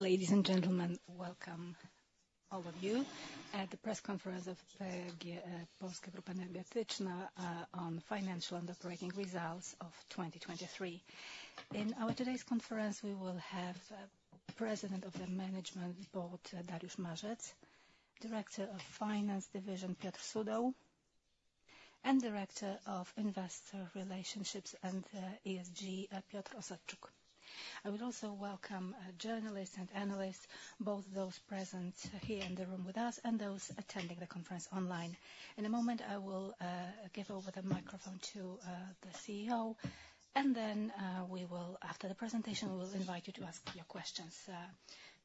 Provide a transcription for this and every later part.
Ladies and gentlemen, welcome all of you at the press conference of PGE Polska Grupa Energetyczna, on financial and operating results of 2023. In our today's conference, we will have President of the Management Board, Dariusz Marzec, Director of Finance Division Piotr Sudoł, and Director of Investor Relations and ESG Filip Osadczuk. I will also welcome journalists and analysts, both those present here in the room with us and those attending the conference online. In a moment, I will give over the microphone to the CEO, and then we will, after the presentation, we will invite you to ask your questions.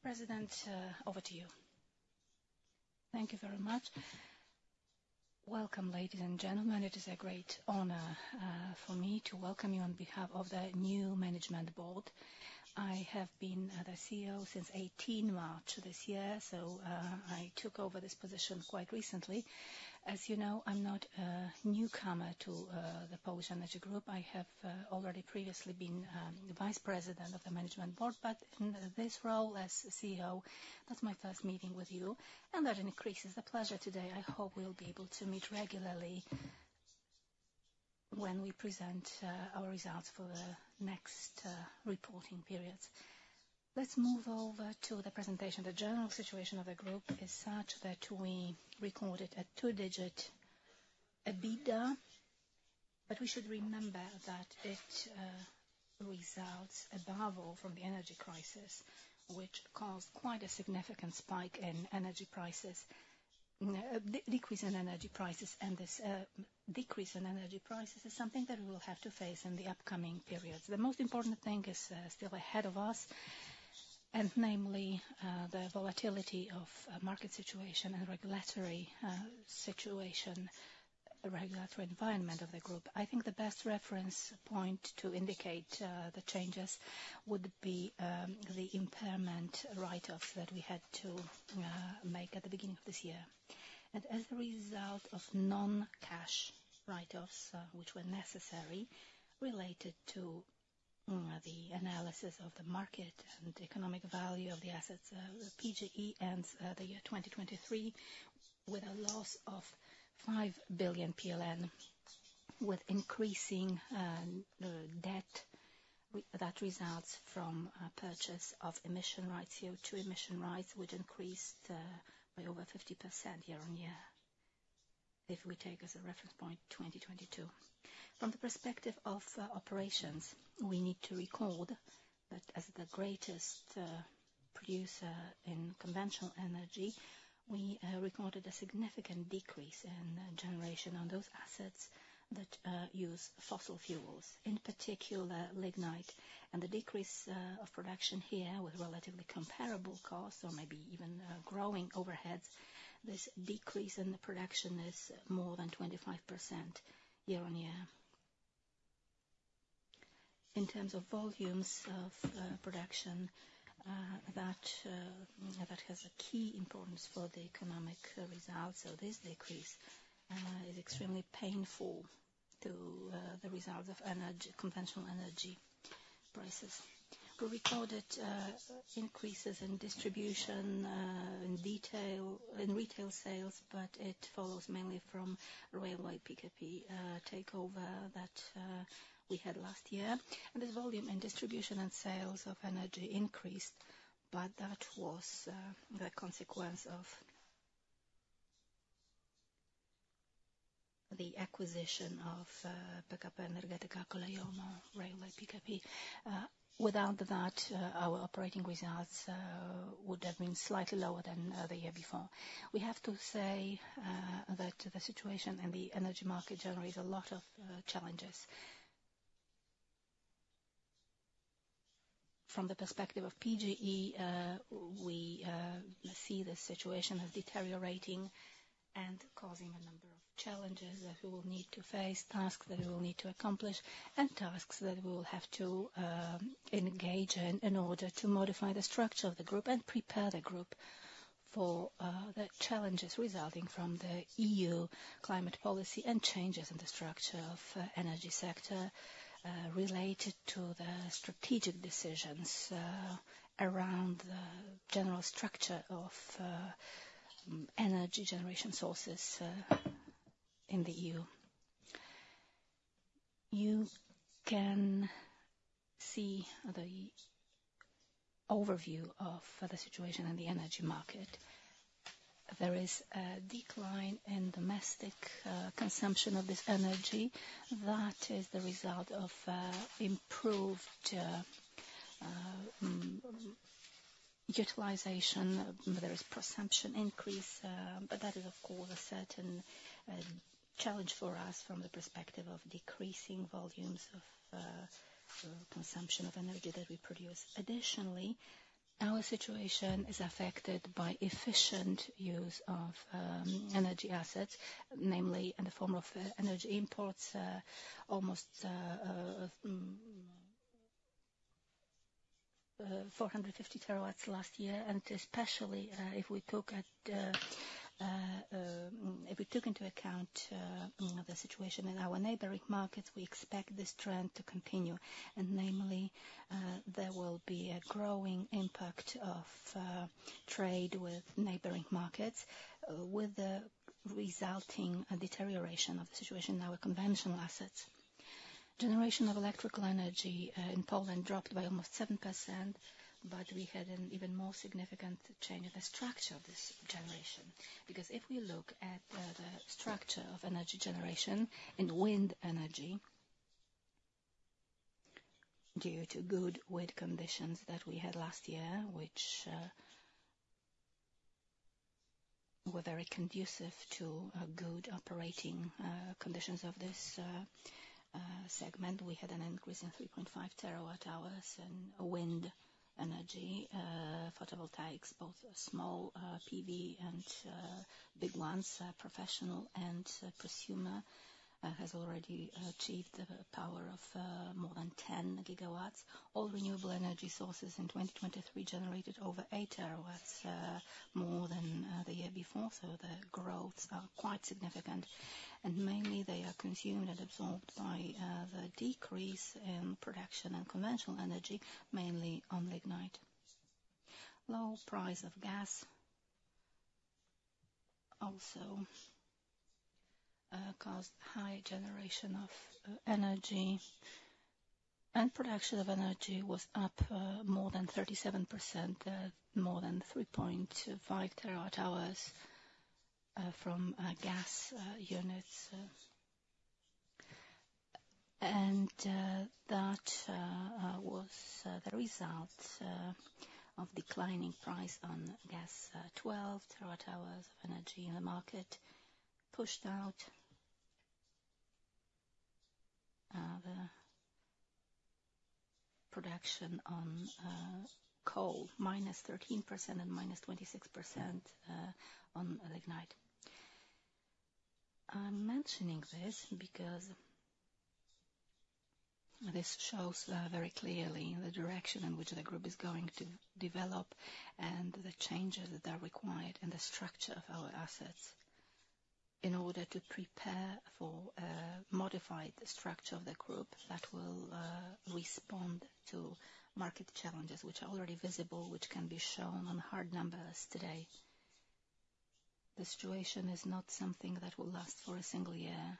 President, over to you. Thank you very much. Welcome, ladies and gentlemen. It is a great honor for me to welcome you on behalf of the new Management Board. I have been the CEO since 18 March 2023 this year, so I took over this position quite recently. As you know, I'm not a newcomer to the Polish Energy Group. I have already previously been Vice President of the Management Board, but in this role as CEO, that's my first meeting with you, and that increases the pleasure today. I hope we'll be able to meet regularly when we present our results for the next reporting periods. Let's move over to the presentation. The general situation of the group is such that we recorded a double-digit EBITDA, but we should remember that it results above all from the energy crisis, which caused quite a significant spike in energy prices. Decrease in energy prices and this decrease in energy prices is something that we will have to face in the upcoming periods. The most important thing is still ahead of us, and namely the volatility of market situation and regulatory situation, regulatory environment of the group. I think the best reference point to indicate the changes would be the impairment write-offs that we had to make at the beginning of this year. And as a result of non-cash write-offs, which were necessary related to the analysis of the market and economic value of the assets, PGE ends the year 2023 with a loss of 5 billion PLN, with increasing debt that results from purchase of emission rights, CO2 emission rights, which increased by over 50% year-over-year if we take as a reference point 2022. From the perspective of operations, we need to record that as the greatest producer in conventional energy, we recorded a significant decrease in generation on those assets that use fossil fuels, in particular lignite. The decrease of production here with relatively comparable costs or maybe even growing overheads, this decrease in the production is more than 25% year-on-year. In terms of volumes of production that has a key importance for the economic results, so this decrease is extremely painful to the results of conventional energy prices. We recorded increases in distribution in retail sales, but it follows mainly from railway PKP takeover that we had last year. This volume in distribution and sales of energy increased, but that was the consequence of the acquisition of PKP Energetyka, railway PKP. Without that, our operating results would have been slightly lower than the year before. We have to say that the situation in the energy market generates a lot of challenges. From the perspective of PGE, we see this situation as deteriorating and causing a number of challenges that we will need to face, tasks that we will need to accomplish, and tasks that we will have to engage in order to modify the structure of the group and prepare the group for the challenges resulting from the EU climate policy and changes in the structure of energy sector related to the strategic decisions around the general structure of energy generation sources in the EU. You can see the overview of the situation in the energy market. There is a decline in domestic consumption of this energy that is the result of improved utilization. There is production increase, but that is, of course, a certain challenge for us from the perspective of decreasing volumes of consumption of energy that we produce. Additionally, our situation is affected by efficient use of energy assets, namely in the form of energy imports, almost 450 terawatts last year. Especially if we took into account the situation in our neighboring markets, we expect this trend to continue. Namely, there will be a growing impact of trade with neighboring markets with the resulting deterioration of the situation in our conventional assets. Generation of electrical energy in Poland dropped by almost 7%, but we had an even more significant change in the structure of this generation. Because if we look at the structure of energy generation in wind energy due to good wind conditions that we had last year, which were very conducive to good operating conditions of this segment, we had an increase in 3.5 TWh in wind energy, photovoltaics, both small PV and big ones, professional and prosumer, has already achieved the power of more than 10 GW. All renewable energy sources in 2023 generated over 8 TWh more than the year before, so the growths are quite significant. And mainly, they are consumed and absorbed by the decrease in production in conventional energy, mainly on lignite. Low price of gas also caused high generation of energy, and production of energy was up more than 37%, more than 3.5 TWh from gas units. That was the result of declining price on gas. 12 TWh of energy in the market pushed out the production on coal, -13% and -26% on lignite. I'm mentioning this because this shows very clearly the direction in which the group is going to develop and the changes that are required in the structure of our assets in order to prepare for a modified structure of the group that will respond to market challenges, which are already visible, which can be shown on hard numbers today. The situation is not something that will last for a single year.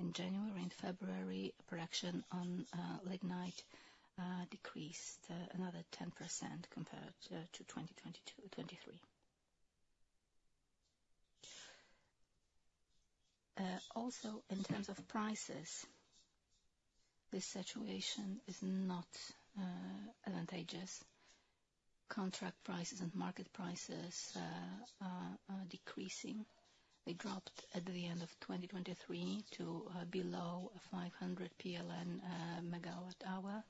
In January, in February, production on lignite decreased another 10% compared to 2023. Also, in terms of prices, this situation is not advantageous. Contract prices and market prices are decreasing. They dropped at the end of 2023 to below 500 PLN/MWh.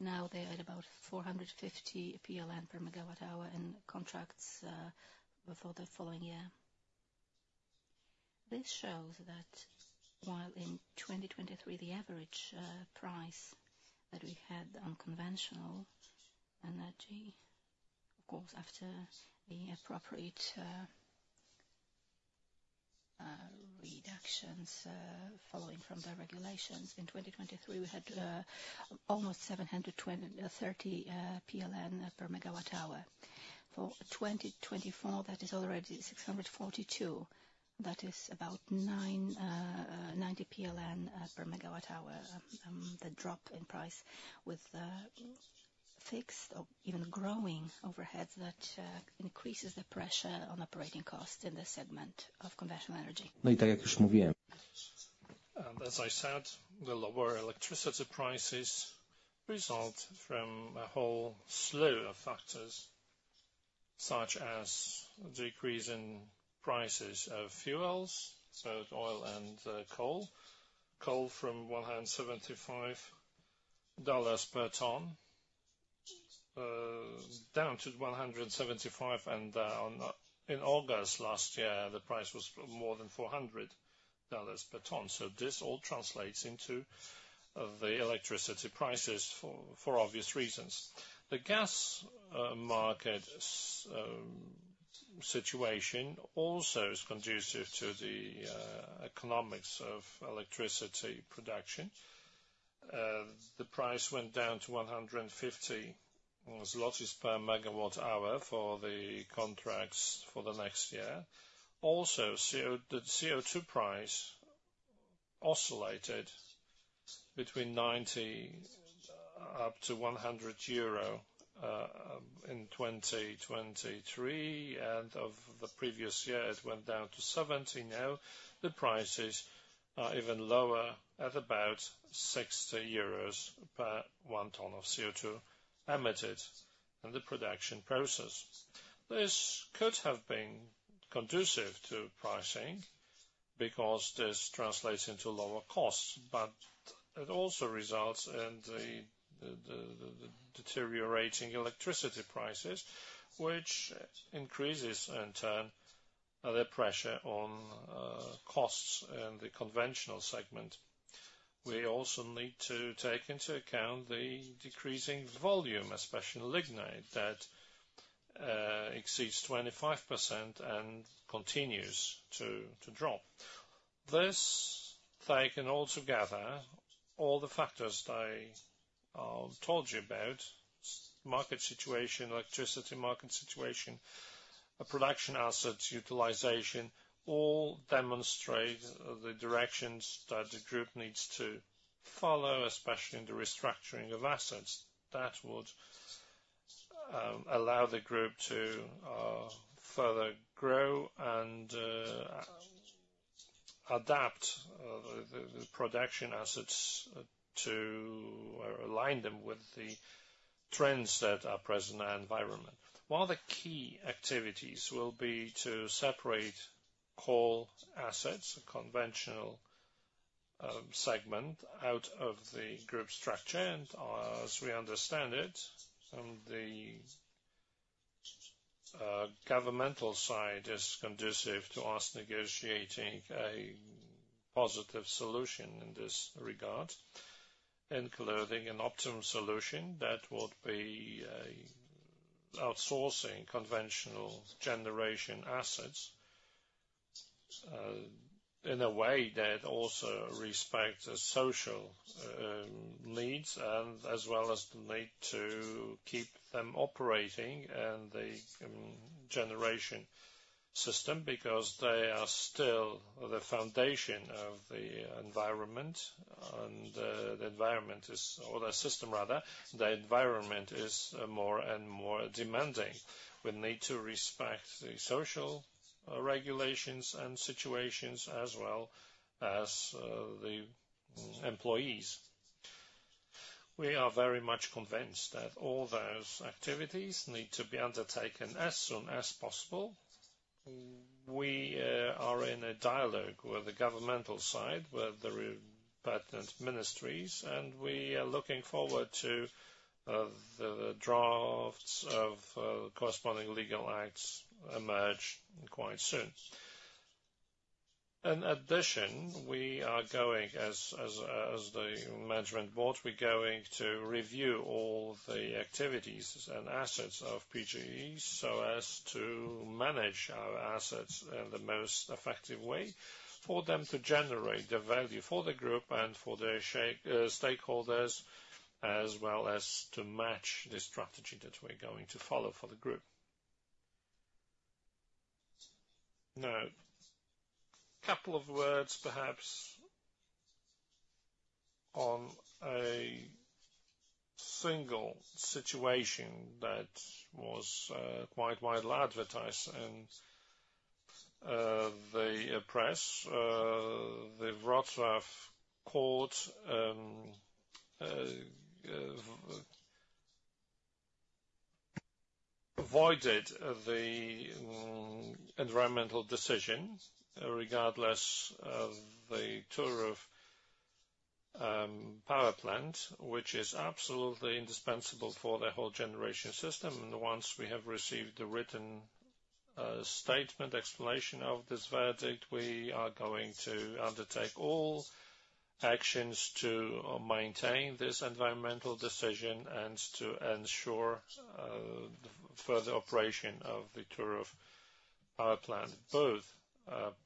Now they are at about 450 PLN per MWh in contracts for the following year. This shows that while in 2023, the average price that we had on conventional energy, of course, after the appropriate reductions following from the regulations, in 2023, we had almost 730 PLN per MWh. For 2024, that is already 642 PLN per MWh. That is about 90 PLN per MWh, the drop in price with fixed or even growing overheads that increases the pressure on operating costs in the segment of conventional energy. No i tak jak już mówiłem. As I said, the lower electricity prices result from a whole slew of factors, such as a decrease in prices of fuels, so oil and coal. Coal from $175 per ton down to $175, and in August last year, the price was more than $400 per ton. This all translates into the electricity prices for obvious reasons. The gas market situation also is conducive to the economics of electricity production. The price went down to 150 per MWh for the contracts for the next year. Also, the CO2 price oscillated between 90 up to 100 EUR in 2023, and of the previous year, it went down to 70. Now, the prices are even lower at about 60 euros per 1 ton of CO2 emitted in the production process. This could have been conducive to pricing because this translates into lower costs, but it also results in the deteriorating electricity prices, which increases, in turn, the pressure on costs in the conventional segment. We also need to take into account the decreasing volume, especially lignite, that exceeds 25% and continues to drop. This taken altogether, all the factors I told you about, market situation, electricity market situation, production assets utilization, all demonstrate the directions that the group needs to follow, especially in the restructuring of assets. That would allow the group to further grow and adapt the production assets to align them with the trends that are present in the environment. One of the key activities will be to separate coal assets, a conventional segment, out of the group structure. As we understand it, the governmental side is conducive to us negotiating a positive solution in this regard and closing an optimum solution. That would be outsourcing conventional generation assets in a way that also respects social needs as well as the need to keep them operating in the generation system because they are still the foundation of the environment, and the environment is or the system, rather, the environment is more and more demanding. We need to respect the social regulations and situations as well as the employees. We are very much convinced that all those activities need to be undertaken as soon as possible. We are in a dialogue with the governmental side, with the pertinent ministries, and we are looking forward to the drafts of corresponding legal acts emerging quite soon. In addition, we are going, as the management board, we're going to review all the activities and assets of PGE so as to manage our assets in the most effective way for them to generate the value for the group and for their stakeholders, as well as to match the strategy that we're going to follow for the group. Now, a couple of words, perhaps, on a single situation that was quite widely advertised in the press. The Wrocław court overturned the environmental decision regarding the Turów power plant, which is absolutely indispensable for the whole generation system. Once we have received the written statement, explanation of this verdict, we are going to undertake all actions to maintain this environmental decision and to ensure further operation of the Turów power plant. Both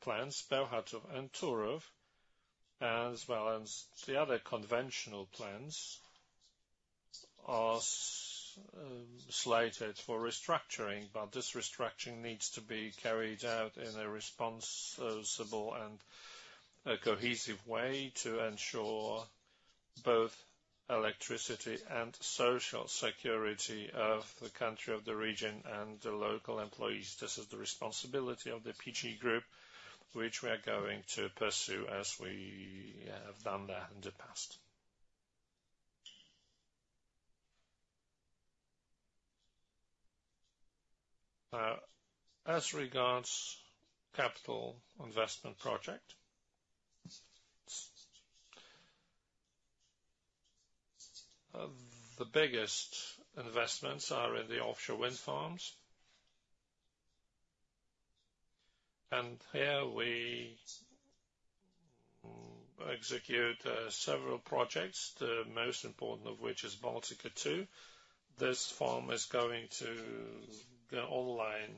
plants Bełchatów and Turów, as well as the other conventional plants, are slated for restructuring, but this restructuring needs to be carried out in a responsible and cohesive way to ensure both electricity and social security of the country, of the region, and the local employees. This is the responsibility of the PGE Group, which we are going to pursue as we have done that in the past. Now, as regards capital investment project, the biggest investments are in the offshore wind farms. Here, we execute several projects, the most important of which is Baltica 2. This farm is going to go online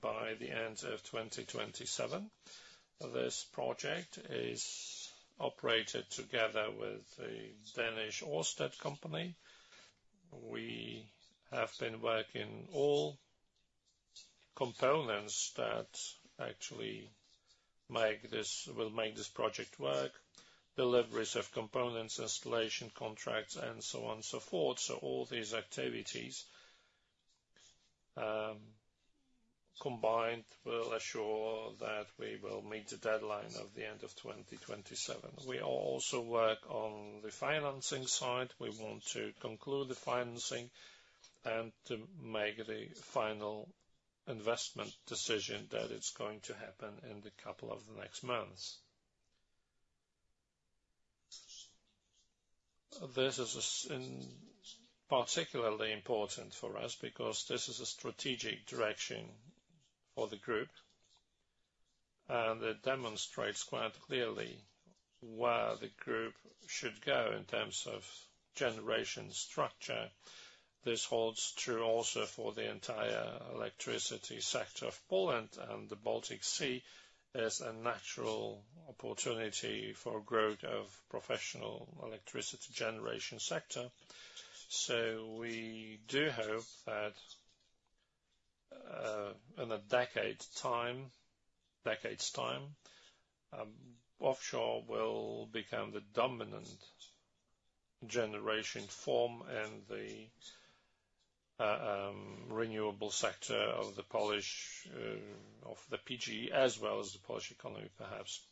by the end of 2027. This project is operated together with the Danish Ørsted Company. We have been working on all components that actually will make this project work: deliveries of components, installation contracts, and so on and so forth. So all these activities combined will assure that we will meet the deadline of the end of 2027. We also work on the financing side. We want to conclude the financing and to make the final investment decision that it's going to happen in the couple of the next months. This is particularly important for us because this is a strategic direction for the group, and it demonstrates quite clearly where the group should go in terms of generation structure. This holds true also for the entire electricity sector of Poland, and the Baltic Sea is a natural opportunity for growth of the professional electricity generation sector. So we do hope that in a decade's time, offshore will become the dominant generation form in the renewable sector of the PGE, as well as the Polish economy, perhaps.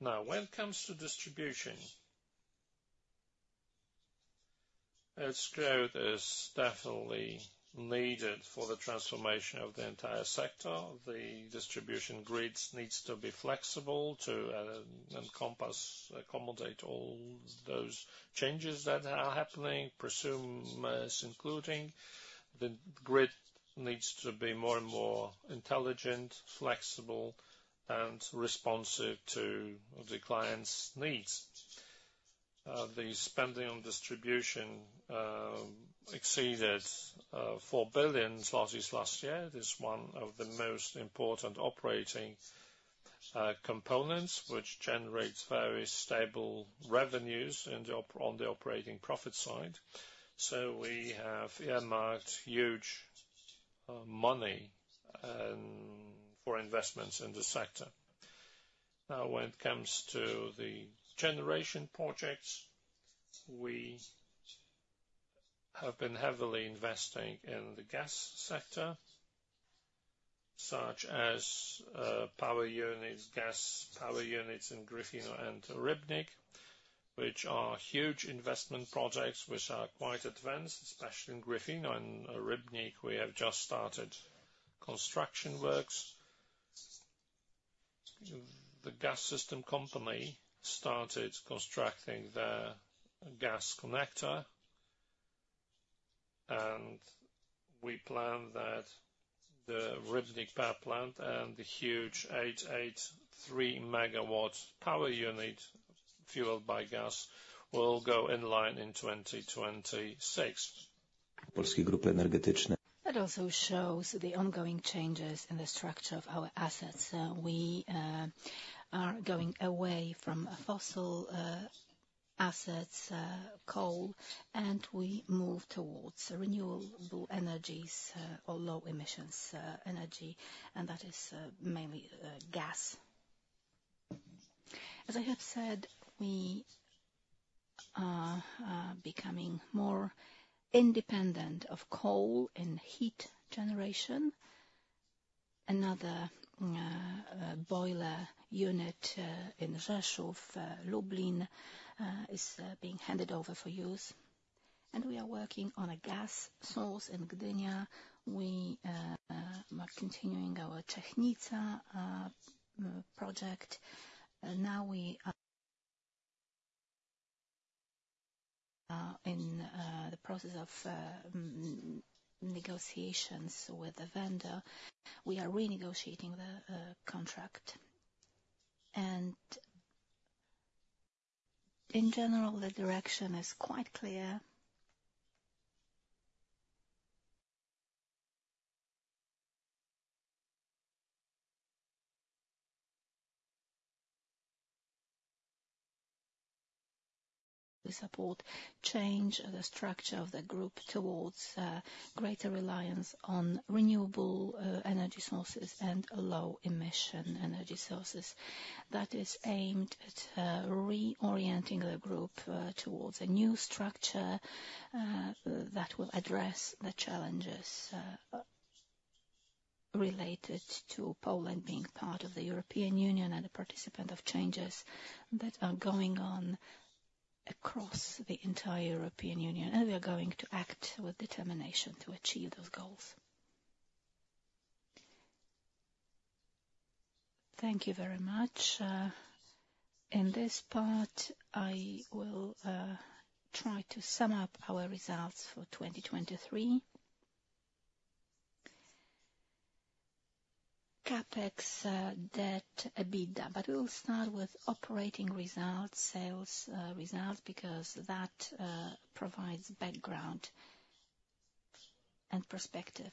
Now, when it comes to distribution, its growth is definitely needed for the transformation of the entire sector. The distribution grid needs to be flexible to encompass, accommodate all those changes that are happening, prosumers, including. The grid needs to be more and more intelligent, flexible, and responsive to the client's needs. The spending on distribution exceeded 4 billion zlotys last year. This is one of the most important operating components, which generates very stable revenues on the operating profit side. So we have earmarked huge money for investments in the sector. Now, when it comes to the generation projects, we have been heavily investing in the gas sector, such as power units, gas power units in Gryfino and Rybnik, which are huge investment projects, which are quite advanced, especially in Gryfino. In Rybnik, we have just started construction works. The gas system company started constructing their gas connector, and we plan that the Rybnik power plant and the huge 883 MW power unit fueled by gas will go online in 2026. Polskiej Grupy Energetycznej. It also shows the ongoing changes in the structure of our assets. We are going away from fossil assets, coal, and we move towards renewable energies or low-emissions energy, and that is mainly gas. As I have said, we are becoming more independent of coal and heat generation. Another boiler unit in Rzeszów, Lublin, is being handed over for use, and we are working on a gas source in Gdynia. We are continuing our Baltica project. Now, we are in the process of negotiations with the vendor. We are renegotiating the contract, and in general, the direction is quite clear. We support change in the structure of the group towards greater reliance on renewable energy sources and low-emission energy sources. That is aimed at reorienting the group towards a new structure that will address the challenges related to Poland being part of the European Union and a participant of changes that are going on across the entire European Union. We are going to act with determination to achieve those goals. Thank you very much. In this part, I will try to sum up our results for 2023: CAPEX, debt, EBITDA. We'll start with operating results, sales results, because that provides background and perspective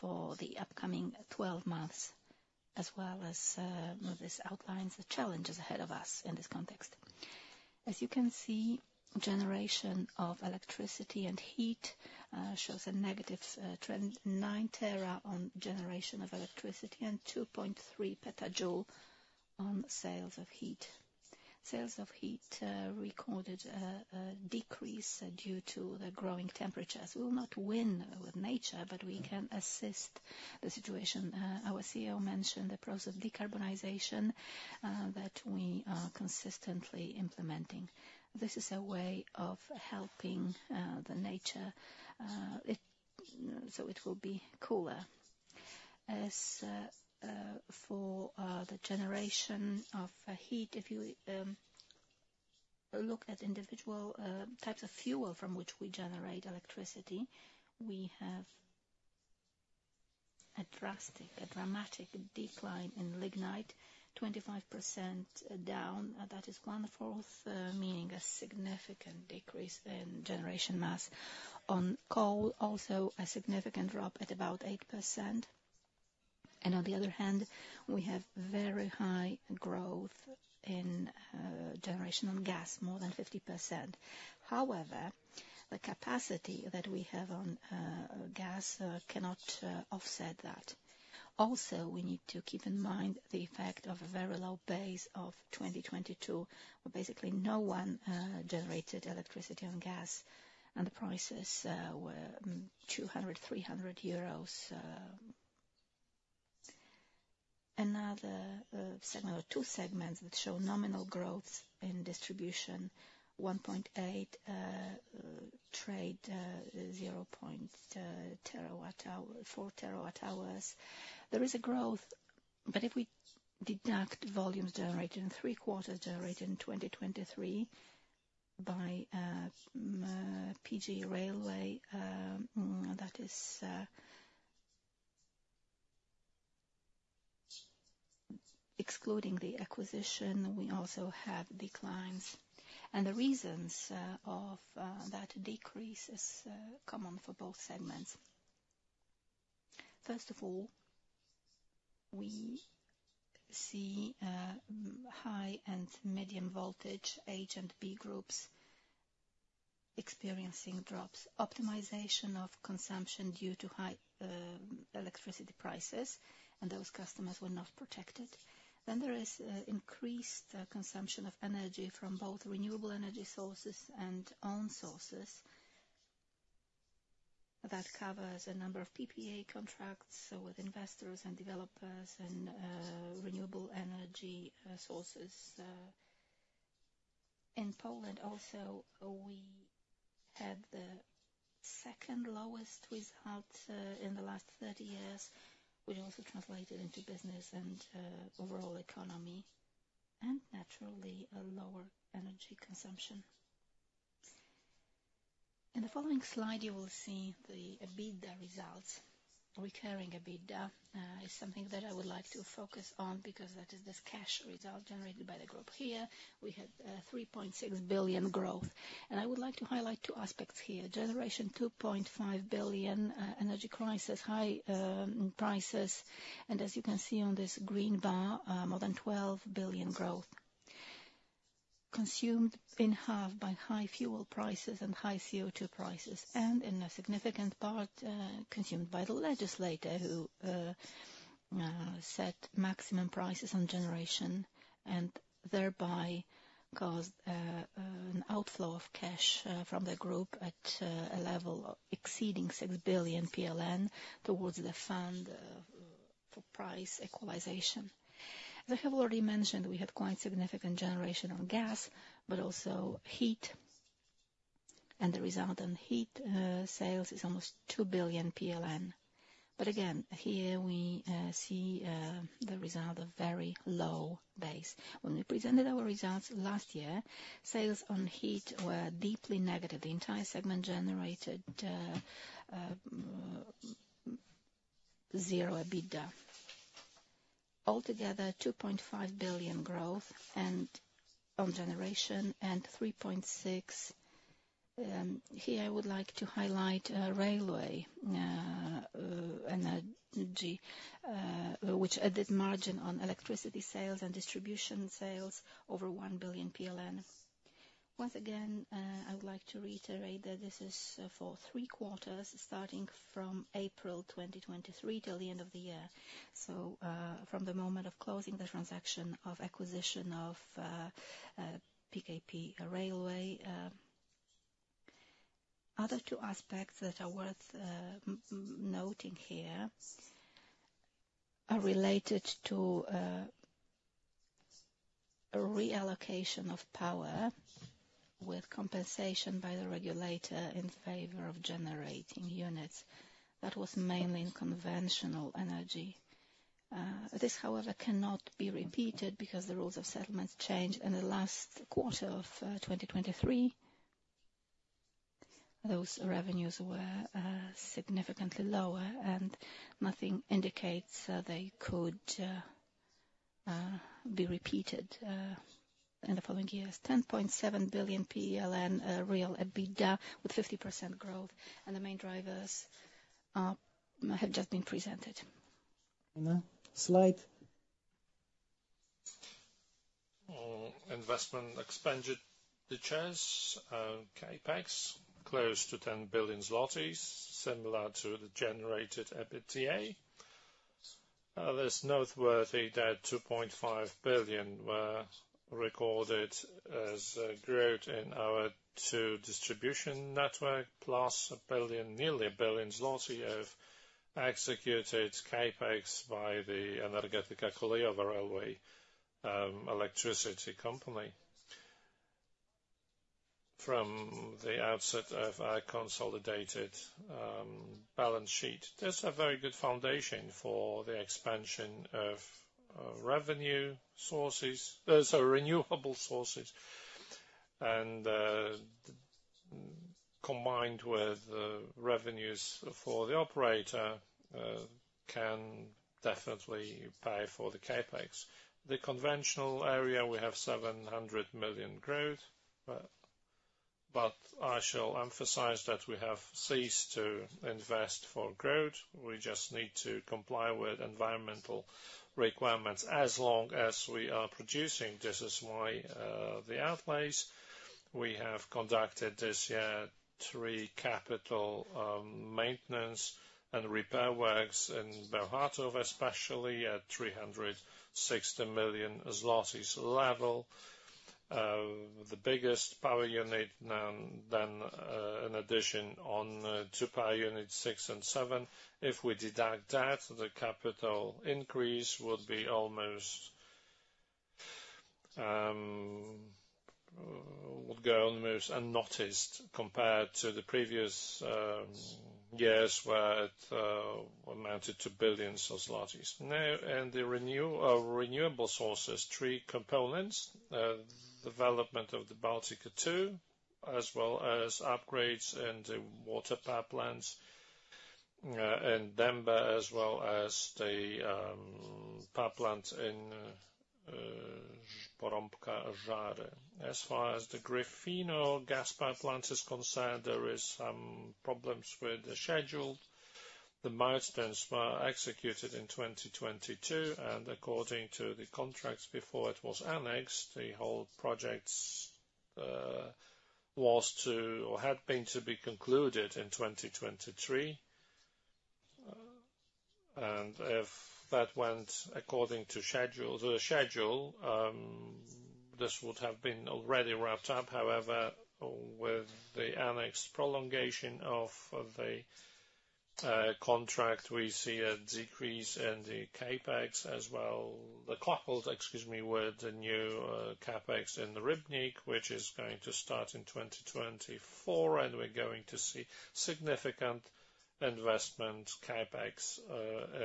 for the upcoming 12 months, as well as this outlines the challenges ahead of us in this context. As you can see, generation of electricity and heat shows a negative trend: 9 TWh on generation of electricity and 2.3 PJ on sales of heat. Sales of heat recorded a decrease due to the growing temperatures. We will not win with nature, but we can assist the situation. Our CEO mentioned the pros of decarbonization that we are consistently implementing. This is a way of helping nature, so it will be cooler. As for the generation of heat, if you look at individual types of fuel from which we generate electricity, we have a drastic, dramatic decline in lignite, 25% down. That is one-fourth, meaning a significant decrease in generation mass on coal, also a significant drop at about 8%. And on the other hand, we have very high growth in generation on gas, more than 50%. However, the capacity that we have on gas cannot offset that. Also, we need to keep in mind the effect of a very low base of 2022. Basically, no one generated electricity on gas, and the prices were 200-300 euros. Another segment or two segments that show nominal growths in distribution: 1.8 TWh, 0.4 terawatt-hours. There is a growth, but if we deduct volumes generated in three quarters generated in 2023 by PGE Railway, that is excluding the acquisition, we also have declines. And the reasons of that decrease are common for both segments. First of all, we see high and medium voltage A and B groups experiencing drops, optimization of consumption due to high electricity prices, and those customers were not protected. Then there is increased consumption of energy from both renewable energy sources and owned sources that covers a number of PPA contracts with investors and developers and renewable energy sources. In Poland, also, we had the second lowest result in the last 30 years, which also translated into business and overall economy and, naturally, a lower energy consumption. In the following slide, you will see the EBITDA results. Recurring EBITDA is something that I would like to focus on because that is this cash result generated by the group here. We had 3.6 billion growth. I would like to highlight two aspects here: generation 2.5 billion, energy crisis, high prices, and as you can see on this green bar, more than 12 billion growth, consumed in half by high fuel prices and high CO2 prices, and in a significant part, consumed by the legislator who set maximum prices on generation and thereby caused an outflow of cash from the group at a level exceeding 6 billion PLN towards the fund for price equalization. As I have already mentioned, we had quite significant generation on gas, but also heat, and the result on heat sales is almost 2 billion PLN. Again, here, we see the result of a very low base. When we presented our results last year, sales on heat were deeply negative. The entire segment generated zero EBITDA. Altogether, 2.5 billion growth on generation and 3.6 billion. Here, I would like to highlight railway energy, which added margin on electricity sales and distribution sales over 1 billion PLN. Once again, I would like to reiterate that this is for three quarters, starting from April 2023 till the end of the year, so from the moment of closing the transaction of acquisition of PKP Energetyka. Other two aspects that are worth noting here are related to reallocation of power with compensation by the regulator in favor of generating units. That was mainly in conventional energy. This, however, cannot be repeated because the rules of settlements changed, and the last quarter of 2023, those revenues were significantly lower, and nothing indicates they could be repeated in the following years. 10.7 billion real EBITDA with 50% growth, and the main drivers have just been presented. Next slide. Investment expanded the chance. CAPEX close to 10 billion zlotys, similar to the generated EBITDA. It's noteworthy that 2.5 billion were recorded as growth in our two distribution networks, plus nearly 1 billion zloty of executed CAPEX by the Energetyka Kolejowa railway electricity company from the outset of our consolidated balance sheet. There's a very good foundation for the expansion of revenue sources, sorry, renewable sources, and combined with revenues for the operator can definitely pay for the CAPEX. The conventional area, we have 700 million growth, but I shall emphasize that we have ceased to invest for growth. We just need to comply with environmental requirements as long as we are producing. This is why the outlays. We have conducted this year three capital maintenance and repair works in Bełchatów, especially at 360 million zlotys level, the biggest power unit then in addition on two power units, six and seven. If we deduct that, the capital increase would almost go unnoticed compared to the previous years where it amounted to billions zlotys. Now, in the renewable sources, three components: development of the Baltica 2, as well as upgrades in the water pipelines in Dębe, as well as the pipelines in Porąbka-Żar. As far as the Gryfino gas pipeline is concerned, there are some problems with the schedule. The milestones were executed in 2022, and according to the contracts before it was annexed, the whole project was to be concluded in 2023. If that went according to the schedule, this would have been already wrapped up. However, with the annexed prolongation of the contract, we see a decrease in the CAPEX as well, coupled, excuse me, with the new CAPEX in the Rybnik, which is going to start in 2024, and we're going to see significant investment CAPEX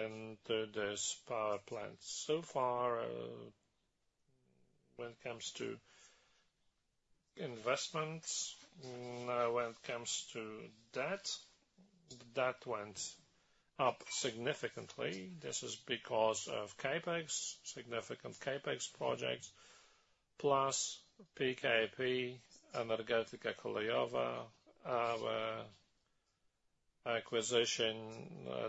into this power plant. So far, when it comes to investments, when it comes to debt, that went up significantly. This is because of significant CAPEX projects, plus PGE Energetyka Kolejowa acquisition,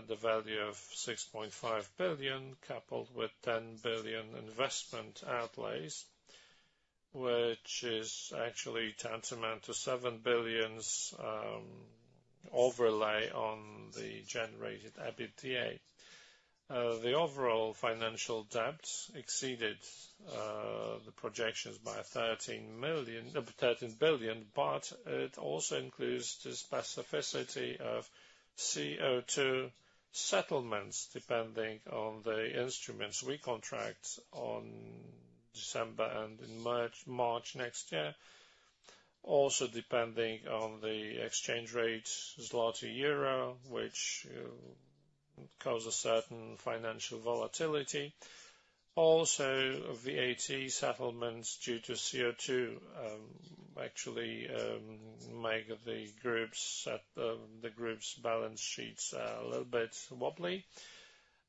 the value of 6.5 billion coupled with 10 billion investment outlays, which is actually tantamount to 7 billion's overlay on the generated EBITDA. The overall financial debt exceeded the projections by 13 billion, but it also includes the specificity of CO2 settlements depending on the instruments we contract on December and in March next year, also depending on the exchange rate złoty euro, which causes certain financial volatility. Also, VAT settlements due to CO2 actually make the groups' balance sheets a little bit wobbly.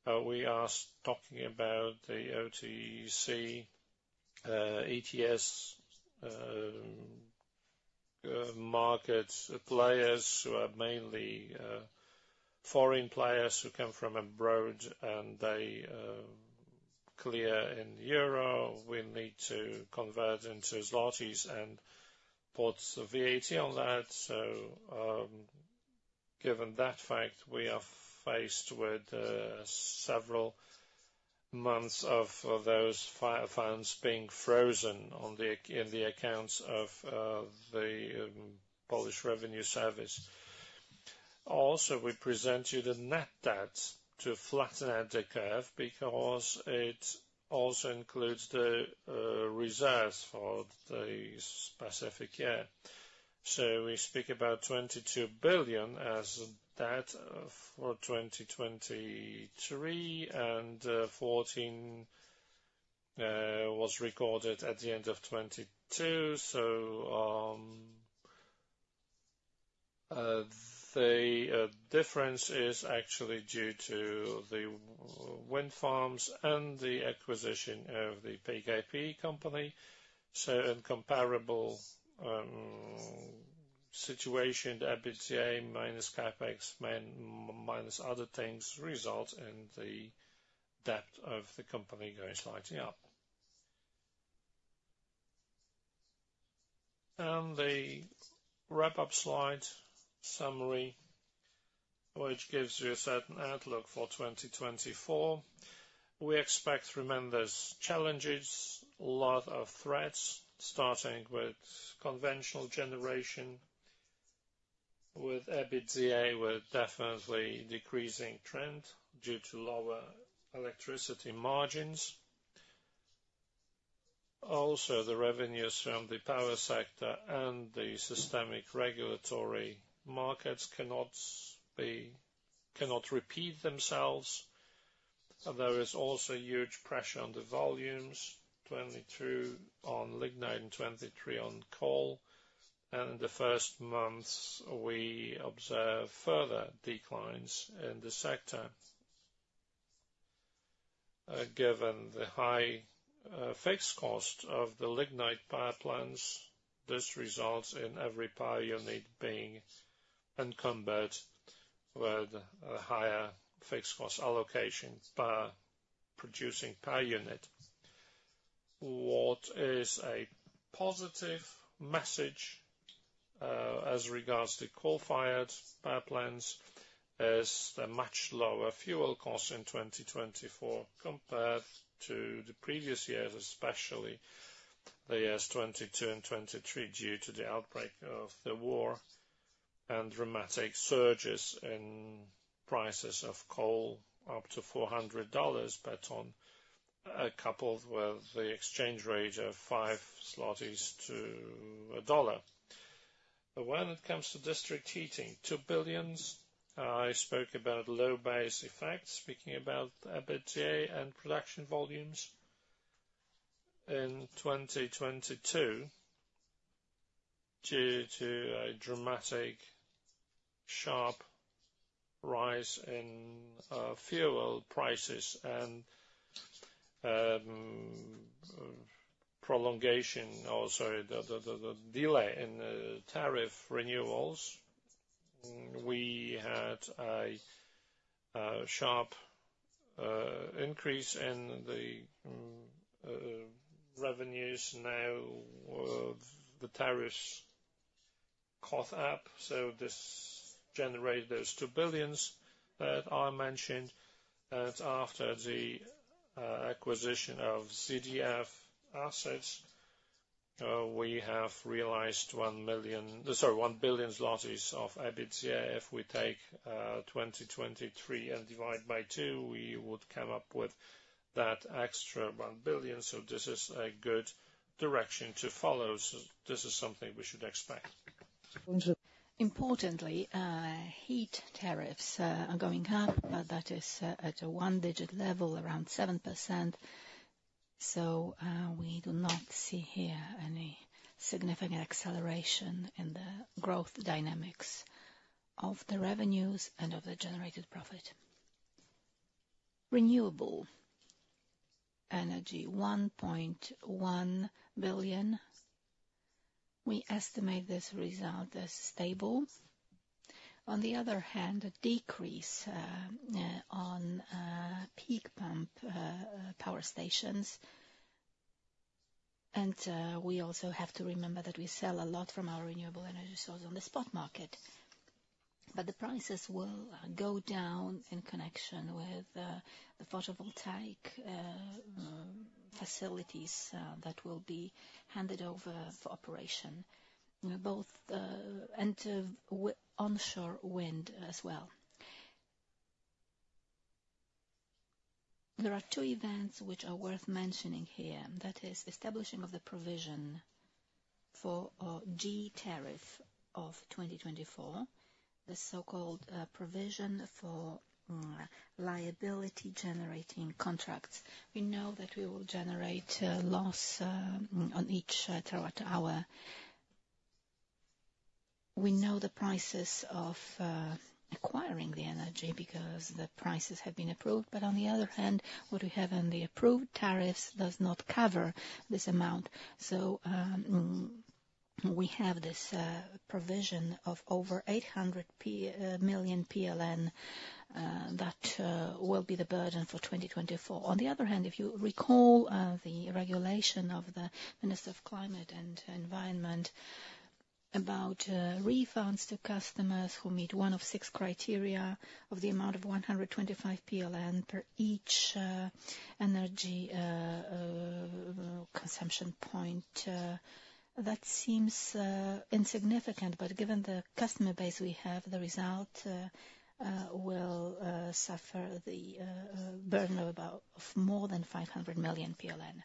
We are talking about the OTC ETS market players who are mainly foreign players who come from abroad, and they clear in euro. We need to convert into złoty and put VAT on that. So given that fact, we are faced with several months of those funds being frozen in the accounts of the Polish revenue service. Also, we present you the net debt to flatten out the curve because it also includes the reserves for the specific year. So we speak about 22 billion as debt for 2023, and 14 billion was recorded at the end of 2022. So the difference is actually due to the wind farms and the acquisition of the PKP company. So in a comparable situation, the EBITDA minus CAPEX minus other things result in the debt of the company going slightly up. The wrap-up slide summary, which gives you a certain outlook for 2024. We expect tremendous challenges, a lot of threats, starting with conventional generation, with EBITDA with definitely decreasing trend due to lower electricity margins. Also, the revenues from the power sector and the systemic regulatory markets cannot repeat themselves. There is also huge pressure on the volumes, 2022 on lignite and 2023 on coal. In the first months, we observe further declines in the sector. Given the high fixed cost of the lignite pipelines, this results in every power unit being encumbered with a higher fixed cost allocation per producing power unit. What is a positive message as regards to coal-fired power plants is the much lower fuel cost in 2024 compared to the previous years, especially the years 2022 and 2023 due to the outbreak of the war and dramatic surges in prices of coal up to $400 per ton, coupled with the exchange rate of five złoty to a dollar. When it comes to district heating, 2 billion. I spoke about low base effects, speaking about EBITDA and production volumes in 2022 due to a dramatic, sharp rise in fuel prices and prolongation, also the delay in tariff renewals. We had a sharp increase in the revenues now with the tariffs caught up. So this generated those 2 billion that I mentioned. And after the acquisition of EDF assets, we have realized 1 million sorry, 1 billion zlotys of EBITDA. If we take 2023 and divide by 2, we would come up with that extra 1 billion. So this is a good direction to follow. So this is something we should expect. Importantly, heat tariffs are going up, but that is at a one-digit level, around 7%. So we do not see here any significant acceleration in the growth dynamics of the revenues and of the generated profit. Renewable energy, 1.1 billion. We estimate this result as stable. On the other hand, a decrease on peak pump power stations. And we also have to remember that we sell a lot from our renewable energy source on the spot market, but the prices will go down in connection with the photovoltaic facilities that will be handed over for operation, both and onshore wind as well. There are two events which are worth mentioning here. That is the establishing of the provision for G-tariff of 2024, the so-called provision for liability-generating contracts. We know that we will generate loss on each terawatt-hour. We know the prices of acquiring the energy because the prices have been approved. But on the other hand, what we have in the approved tariffs does not cover this amount. So we have this provision of over 800 million PLN that will be the burden for 2024. On the other hand, if you recall the regulation of the Minister of Climate and Environment about refunds to customers who meet one of six criteria of the amount of 125 PLN per each energy consumption point, that seems insignificant. But given the customer base we have, the result will suffer the burden of more than 500 million PLN.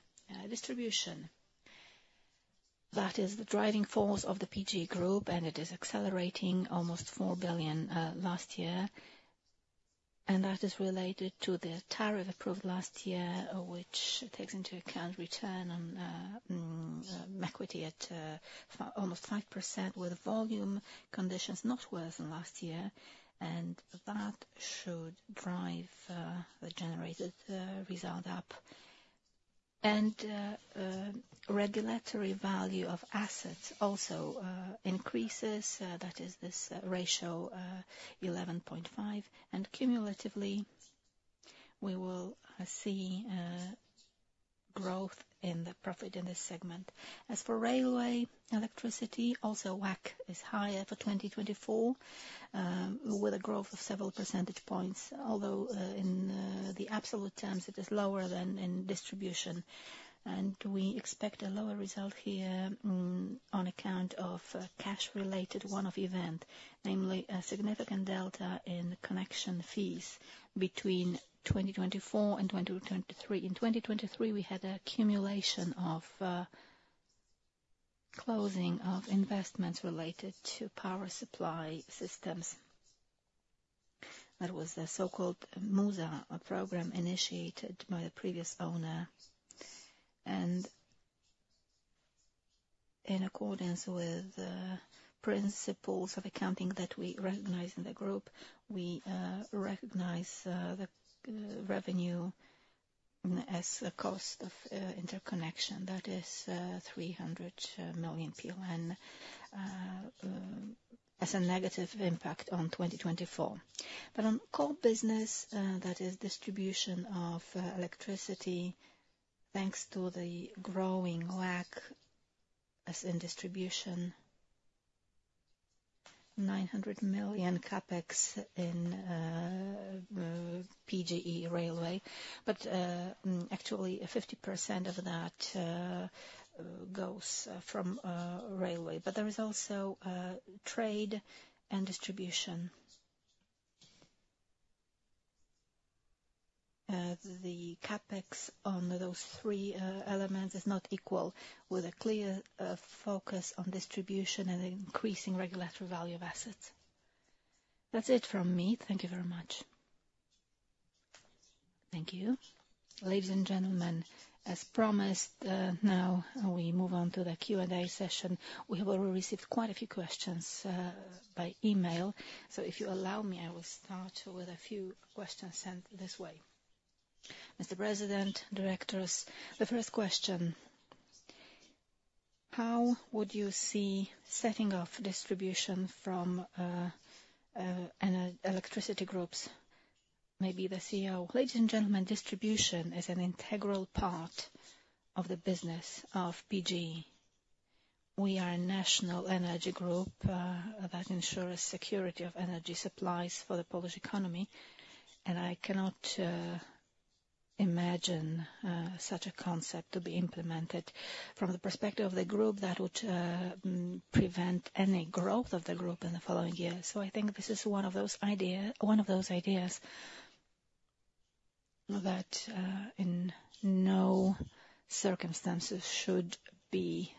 Distribution. That is the driving force of the PGE Group, and it is accelerating almost 4 billion last year. That is related to the tariff approved last year, which takes into account return on equity at almost 5% with volume conditions not worse than last year. That should drive the generated result up. Regulatory value of assets also increases. That is this ratio 11.5. Cumulatively, we will see growth in the profit in this segment. As for railway electricity, also WACC is higher for 2024 with a growth of several percentage points, although in the absolute terms, it is lower than in distribution. We expect a lower result here on account of cash-related one-off event, namely a significant delta in connection fees between 2024 and 2023. In 2023, we had a cumulation of closing of investments related to power supply systems. That was the so-called MUZa program initiated by the previous owner. In accordance with the principles of accounting that we recognize in the group, we recognize the revenue as a cost of interconnection. That is 300 million as a negative impact on 2024. On coal business, that is distribution of electricity, thanks to the growing WACC as in distribution, PLN 900 million CAPEX in PGE Railway. But actually, 50% of that goes from railway. But there is also trade and distribution. The CAPEX on those three elements is not equal with a clear focus on distribution and increasing regulatory value of assets. That's it from me. Thank you very much. Thank you. Ladies and gentlemen, as promised, now we move on to the Q&A session. We have already received quite a few questions by email. So if you allow me, I will start with a few questions sent this way. Mr. President, Directors, the first question: how would you see setting off distribution from electricity groups? Maybe the CEO. Ladies and gentlemen, distribution is an integral part of the business of PGE. We are a national energy group that ensures security of energy supplies for the Polish economy. I cannot imagine such a concept to be implemented from the perspective of the group that would prevent any growth of the group in the following year. So I think this is one of those ideas that in no circumstances should be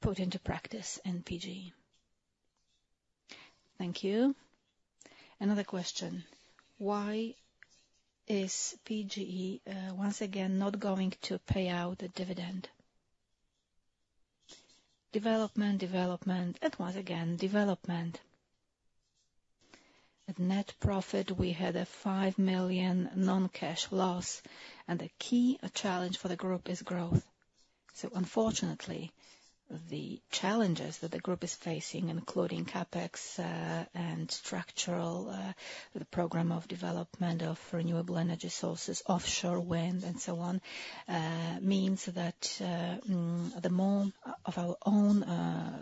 put into practice in PGE. Thank you. Another question: why is PGE, once again, not going to pay out the dividend? Development, development, and once again, development. At net profit, we had a 5 million non-cash loss. The key challenge for the group is growth. So unfortunately, the challenges that the group is facing, including CapEx and structural, the program of development of renewable energy sources, offshore wind, and so on, means that the more of our own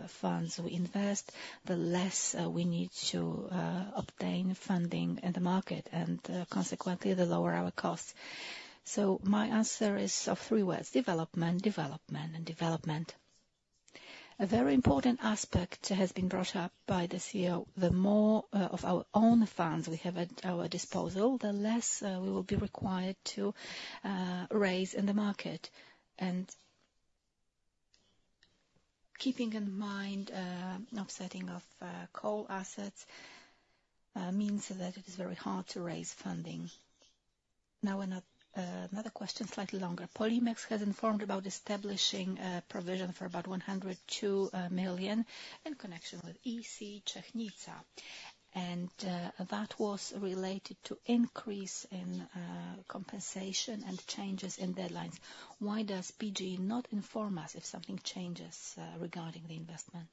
funds we invest, the less we need to obtain funding in the market, and consequently, the lower our costs. So my answer is of three words: development, development, and development. A very important aspect has been brought up by the CEO. The more of our own funds we have at our disposal, the less we will be required to raise in the market. Keeping in mind the offsetting of coal assets means that it is very hard to raise funding. Now another question, slightly longer. Polimex has informed about establishing a provision for about 102 million in connection with EC Czechnica. And that was related to an increase in compensation and changes in deadlines. Why does PGE not inform us if something changes regarding the investment?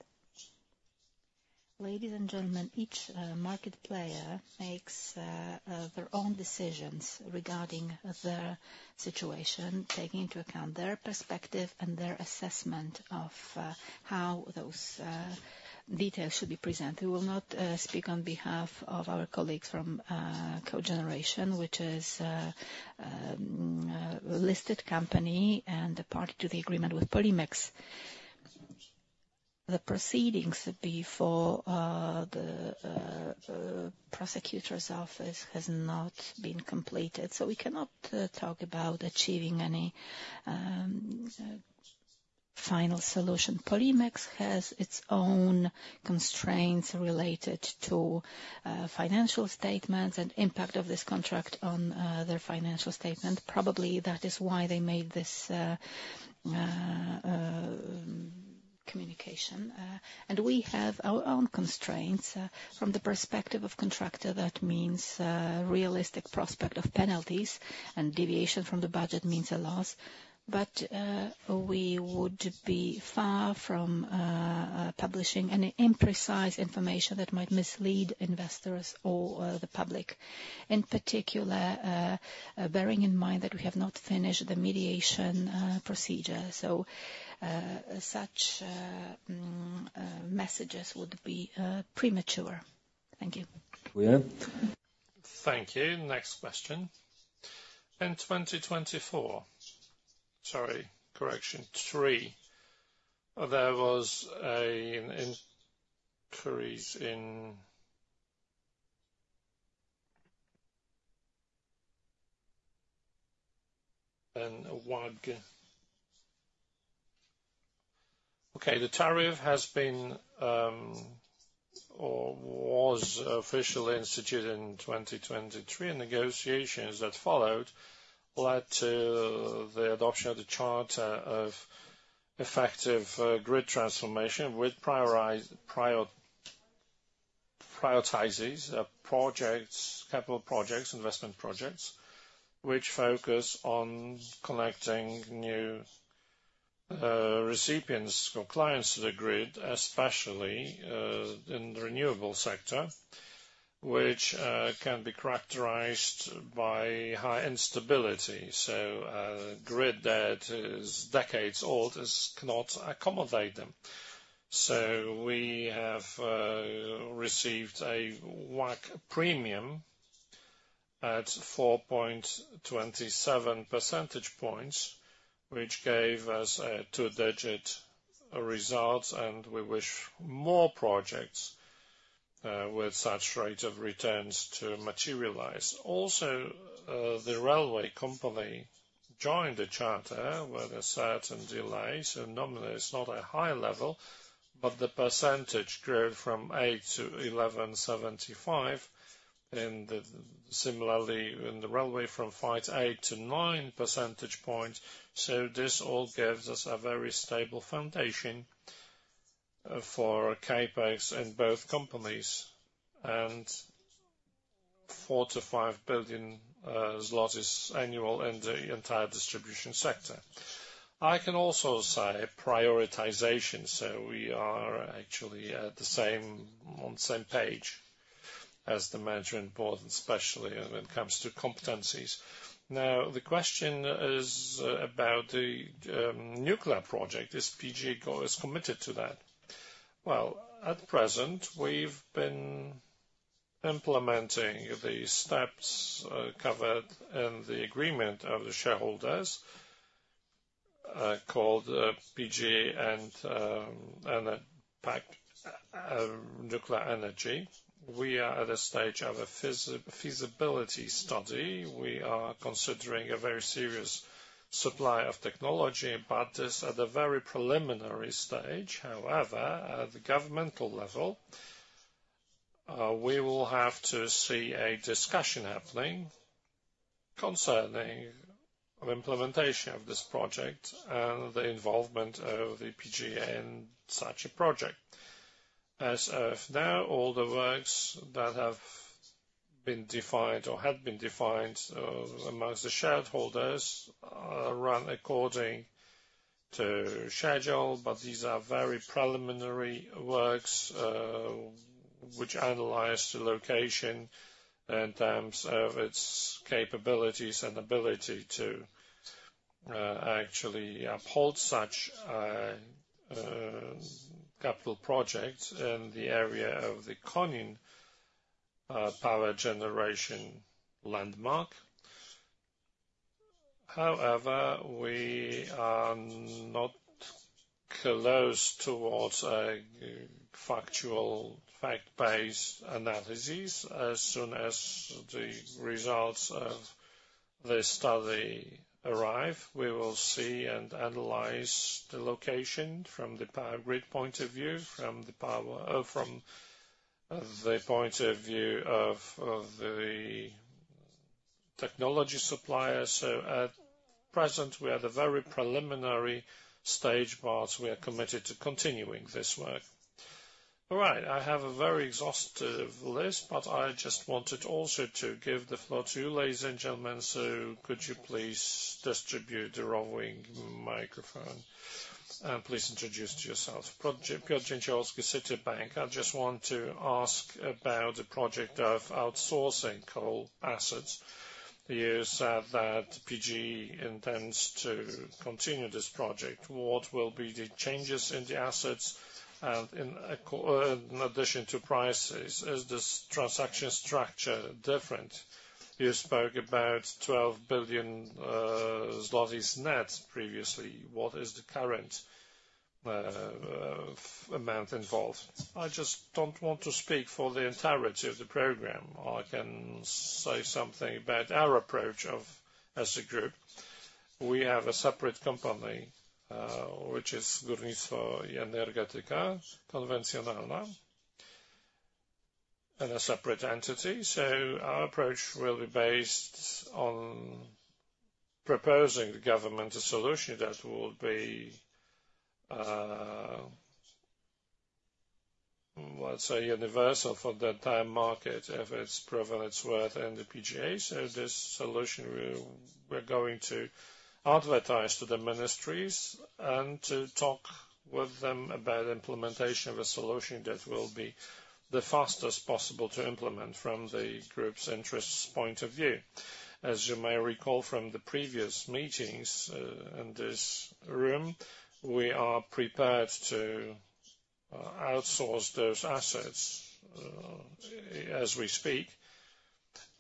Ladies and gentlemen, each market player makes their own decisions regarding their situation, taking into account their perspective and their assessment of how those details should be presented. We will not speak on behalf of our colleagues from Cogeneration, which is a listed company and a party to the agreement with Polimex. The proceedings before the prosecutor's office have not been completed. We cannot talk about achieving any final solution. Polimex has its own constraints related to financial statements and the impact of this contract on their financial statement. Probably that is why they made this communication. We have our own constraints. From the perspective of a contractor, that means a realistic prospect of penalties. Deviation from the budget means a loss. But we would be far from publishing any imprecise information that might mislead investors or the public, in particular, bearing in mind that we have not finished the mediation procedure. So such messages would be premature. Thank you. Thank you. Next question. In 2024, sorry, correction, 2023, there was an increase in... Okay, the tariff has been or was officially instituted in 2023. And negotiations that followed led to the adoption of the Charter of Effective Grid Transformation which prioritizes capital projects, investment projects, which focus on connecting new recipients or clients to the grid, especially in the renewable sector, which can be characterized by high instability. So grid that is decades old cannot accommodate them. So we have received a WACC premium at 4.27 percentage points, which gave us two-digit results. And we wish more projects with such rates of returns to materialize. Also, the railway company joined the charter with a certain delay. So nominally, it's not a high level, but the percentage grew from 8% to 11.75%. And similarly, in the railway, from five to eight to nine percentage points. So this all gives us a very stable foundation for CapEx in both companies and 4 to 5 billion annual in the entire distribution sector. I can also say prioritization. So we are actually on the same page as the management board, especially when it comes to competencies. Now, the question is about the nuclear project. Is PGE committed to that? Well, at present, we've been implementing the steps covered in the agreement of the shareholders called PGE and PAK Nuclear Energy. We are at the stage of a feasibility study. We are considering a very serious supply of technology, but this is at a very preliminary stage. However, at the governmental level, we will have to see a discussion happening concerning the implementation of this project and the involvement of the PGE in such a project. As of now, all the works that have been defined or had been defined amongst the shareholders run according to schedule. But these are very preliminary works, which analyze the location in terms of its capabilities and ability to actually uphold such capital projects in the area of the Konin power generation landmark. However, we are not close towards a fact-based analysis. As soon as the results of this study arrive, we will see and analyze the location from the power grid point of view, from the point of view of the technology supplier. So at present, we are at a very preliminary stage, but we are committed to continuing this work. All right. I have a very exhaustive list, but I just wanted also to give the floor to you, ladies and gentlemen. So could you please distribute the roving microphone and please introduce yourselves? Piotr Dzięciołowski, Citibank. I just want to ask about a project of outsourcing coal assets. You said that PGE intends to continue this project. What will be the changes in the assets? And in addition to prices, is this transaction structure different? You spoke about 12 billion zlotys net previously. What is the current amount involved? I just don't want to speak for the entirety of the program. I can say something about our approach as a group. We have a separate company, which is Górnictwo i Energetyka Konwencjonalna, and a separate entity. So our approach will be based on proposing the government a solution that would be, let's say, universal for the time market if it's proven its worth in the PGE. So this solution, we're going to advertise to the ministries and to talk with them about implementation of a solution that will be the fastest possible to implement from the group's interests point of view. As you may recall from the previous meetings in this room, we are prepared to outsource those assets as we speak.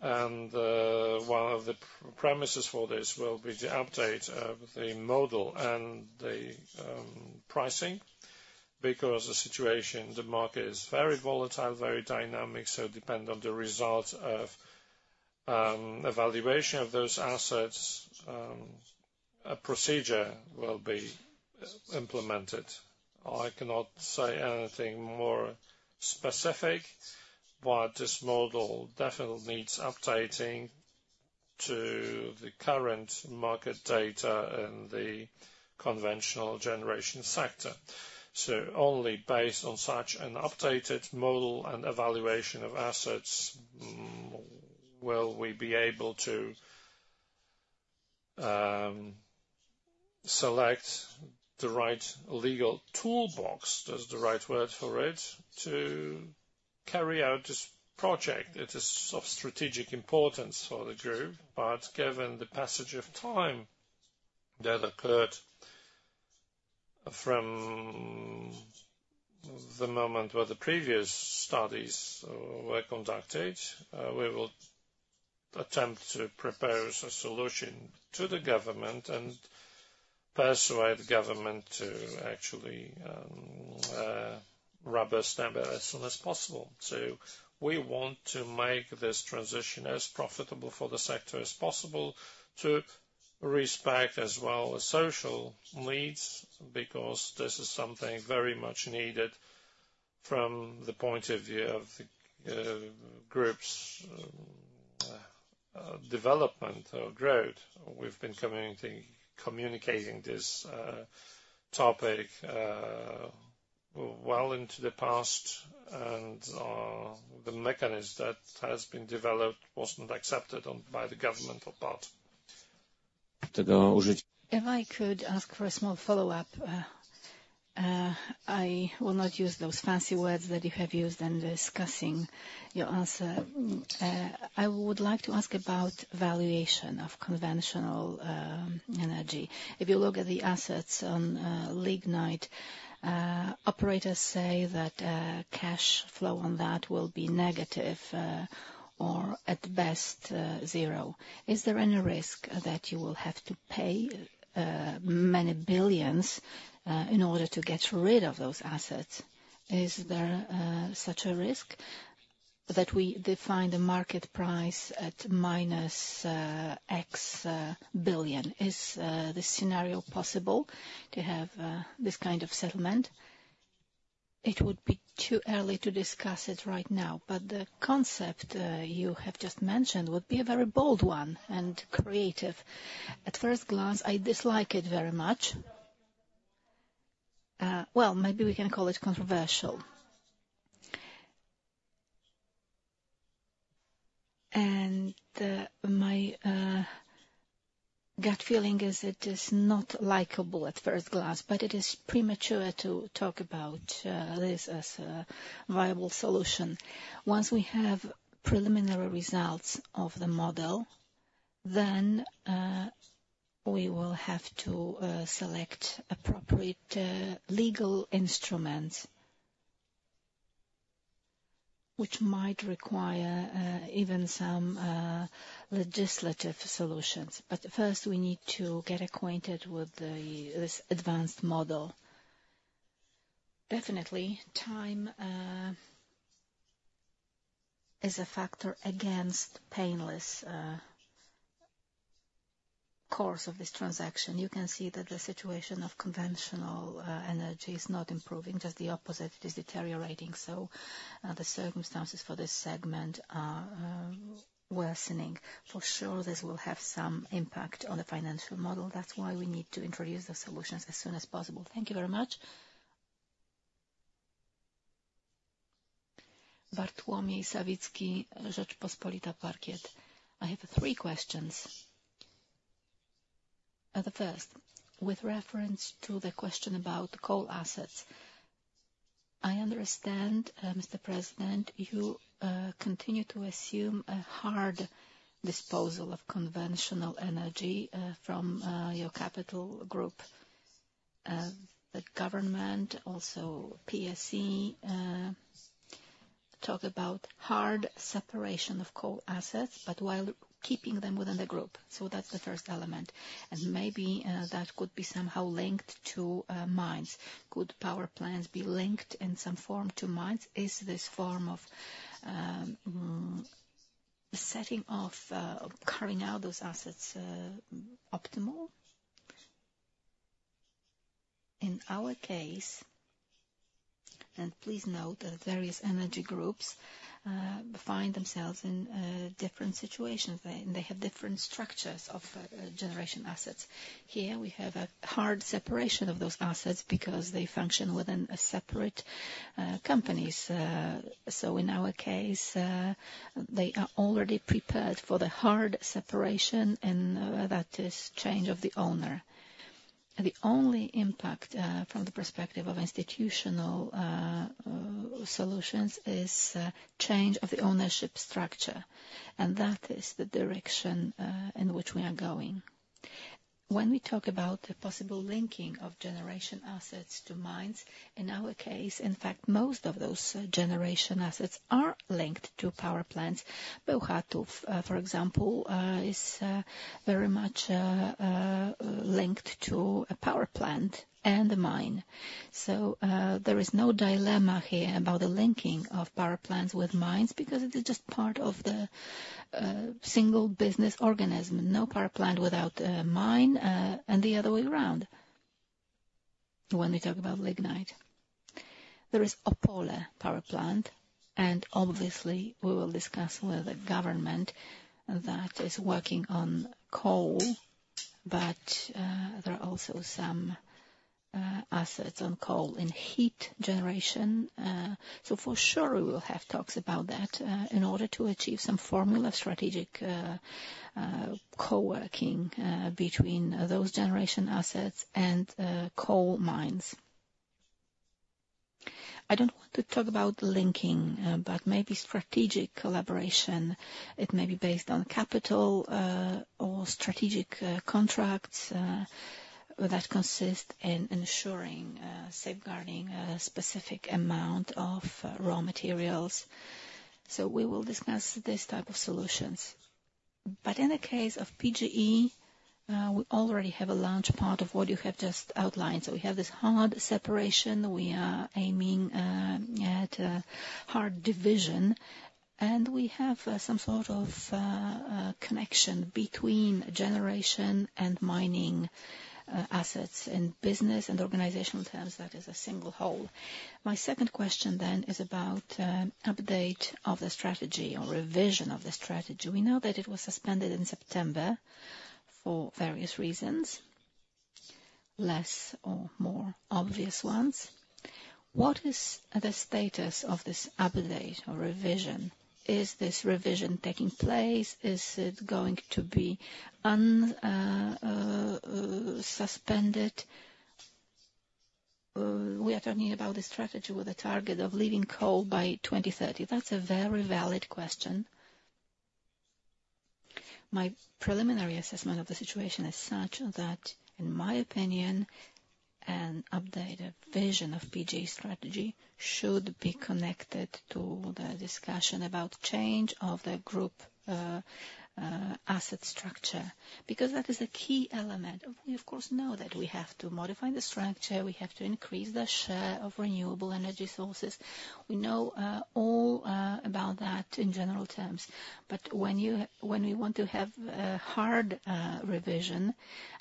One of the premises for this will be the update of the model and the pricing because the situation, the market, is very volatile, very dynamic. So depending on the results of evaluation of those assets, a procedure will be implemented. I cannot say anything more specific, but this model definitely needs updating to the current market data in the conventional generation sector. So only based on such an updated model and evaluation of assets will we be able to select the right legal toolbox - that's the right word for it - to carry out this project. It is of strategic importance for the group. But given the passage of time that occurred from the moment where the previous studies were conducted, we will attempt to propose a solution to the government and persuade the government to actually rubber stamp it as soon as possible. So we want to make this transition as profitable for the sector as possible, to respect as well as social needs because this is something very much needed from the point of view of the group's development or growth. We've been communicating this topic well into the past, and the mechanism that has been developed was not accepted by the government or part. Tego użycia. If I could ask for a small follow-up, I will not use those fancy words that you have used in discussing your answer. I would like to ask about valuation of conventional energy. If you look at the assets on lignite, operators say that cash flow on that will be negative or at best zero. Is there any risk that you will have to pay many billions PLN in order to get rid of those assets? Is there such a risk that we define the market price at minus X billion PLN? Is this scenario possible to have this kind of settlement? It would be too early to discuss it right now, but the concept you have just mentioned would be a very bold one and creative. At first glance, I dislike it very much. Well, maybe we can call it controversial. My gut feeling is it is not likable at first glance, but it is premature to talk about this as a viable solution. Once we have preliminary results of the model, then we will have to select appropriate legal instruments, which might require even some legislative solutions. But first, we need to get acquainted with this advanced model. Definitely, time is a factor against the painless course of this transaction. You can see that the situation of conventional energy is not improving. Just the opposite, it is deteriorating. So the circumstances for this segment are worsening. For sure, this will have some impact on the financial model. That's why we need to introduce the solutions as soon as possible. Thank you very much. Bartłomiej Sawicki, Rzeczpospolita Parkiet. I have three questions. The first, with reference to the question about coal assets, I understand, Mr.President, you continue to assume a hard disposal of conventional energy from your capital group. The government, also PSE, talk about hard separation of coal assets but while keeping them within the group. That's the first element. Maybe that could be somehow linked to mines. Could power plants be linked in some form to mines? Is this form of carrying out those assets optimal? In our case and please note that various energy groups find themselves in different situations. They have different structures of generation assets. Here, we have a hard separation of those assets because they function within separate companies. In our case, they are already prepared for the hard separation, and that is change of the owner. The only impact from the perspective of institutional solutions is change of the ownership structure. That is the direction in which we are going. When we talk about the possible linking of generation assets to mines, in our case, in fact, most of those generation assets are linked to power plants. Bełchatów, for example, is very much linked to a power plant and a mine. So there is no dilemma here about the linking of power plants with mines because it is just part of the single business organism. No power plant without a mine and the other way around when we talk about lignite. There is Opole Power Plant, and obviously, we will discuss with the government that is working on coal, but there are also some assets on coal in heat generation. So for sure, we will have talks about that in order to achieve some formula strategic coworking between those generation assets and coal mines. I don't want to talk about linking, but maybe strategic collaboration. It may be based on capital or strategic contracts that consist in ensuring, safeguarding a specific amount of raw materials. So we will discuss this type of solutions. But in the case of PGE, we already have a large part of what you have just outlined. So we have this hard separation. We are aiming at hard division, and we have some sort of connection between generation and mining assets in business and organizational terms. That is a single whole. My second question then is about update of the strategy or revision of the strategy. We know that it was suspended in September for various reasons, more or less obvious ones. What is the status of this update or revision? Is this revision taking place? Is it going to be suspended? We are talking about this strategy with a target of leaving coal by 2030. That's a very valid question. My preliminary assessment of the situation is such that, in my opinion, an update, a vision of PGE's strategy should be connected to the discussion about change of the group asset structure because that is a key element. We, of course, know that we have to modify the structure. We have to increase the share of renewable energy sources. We know all about that in general terms. But when we want to have a hard revision,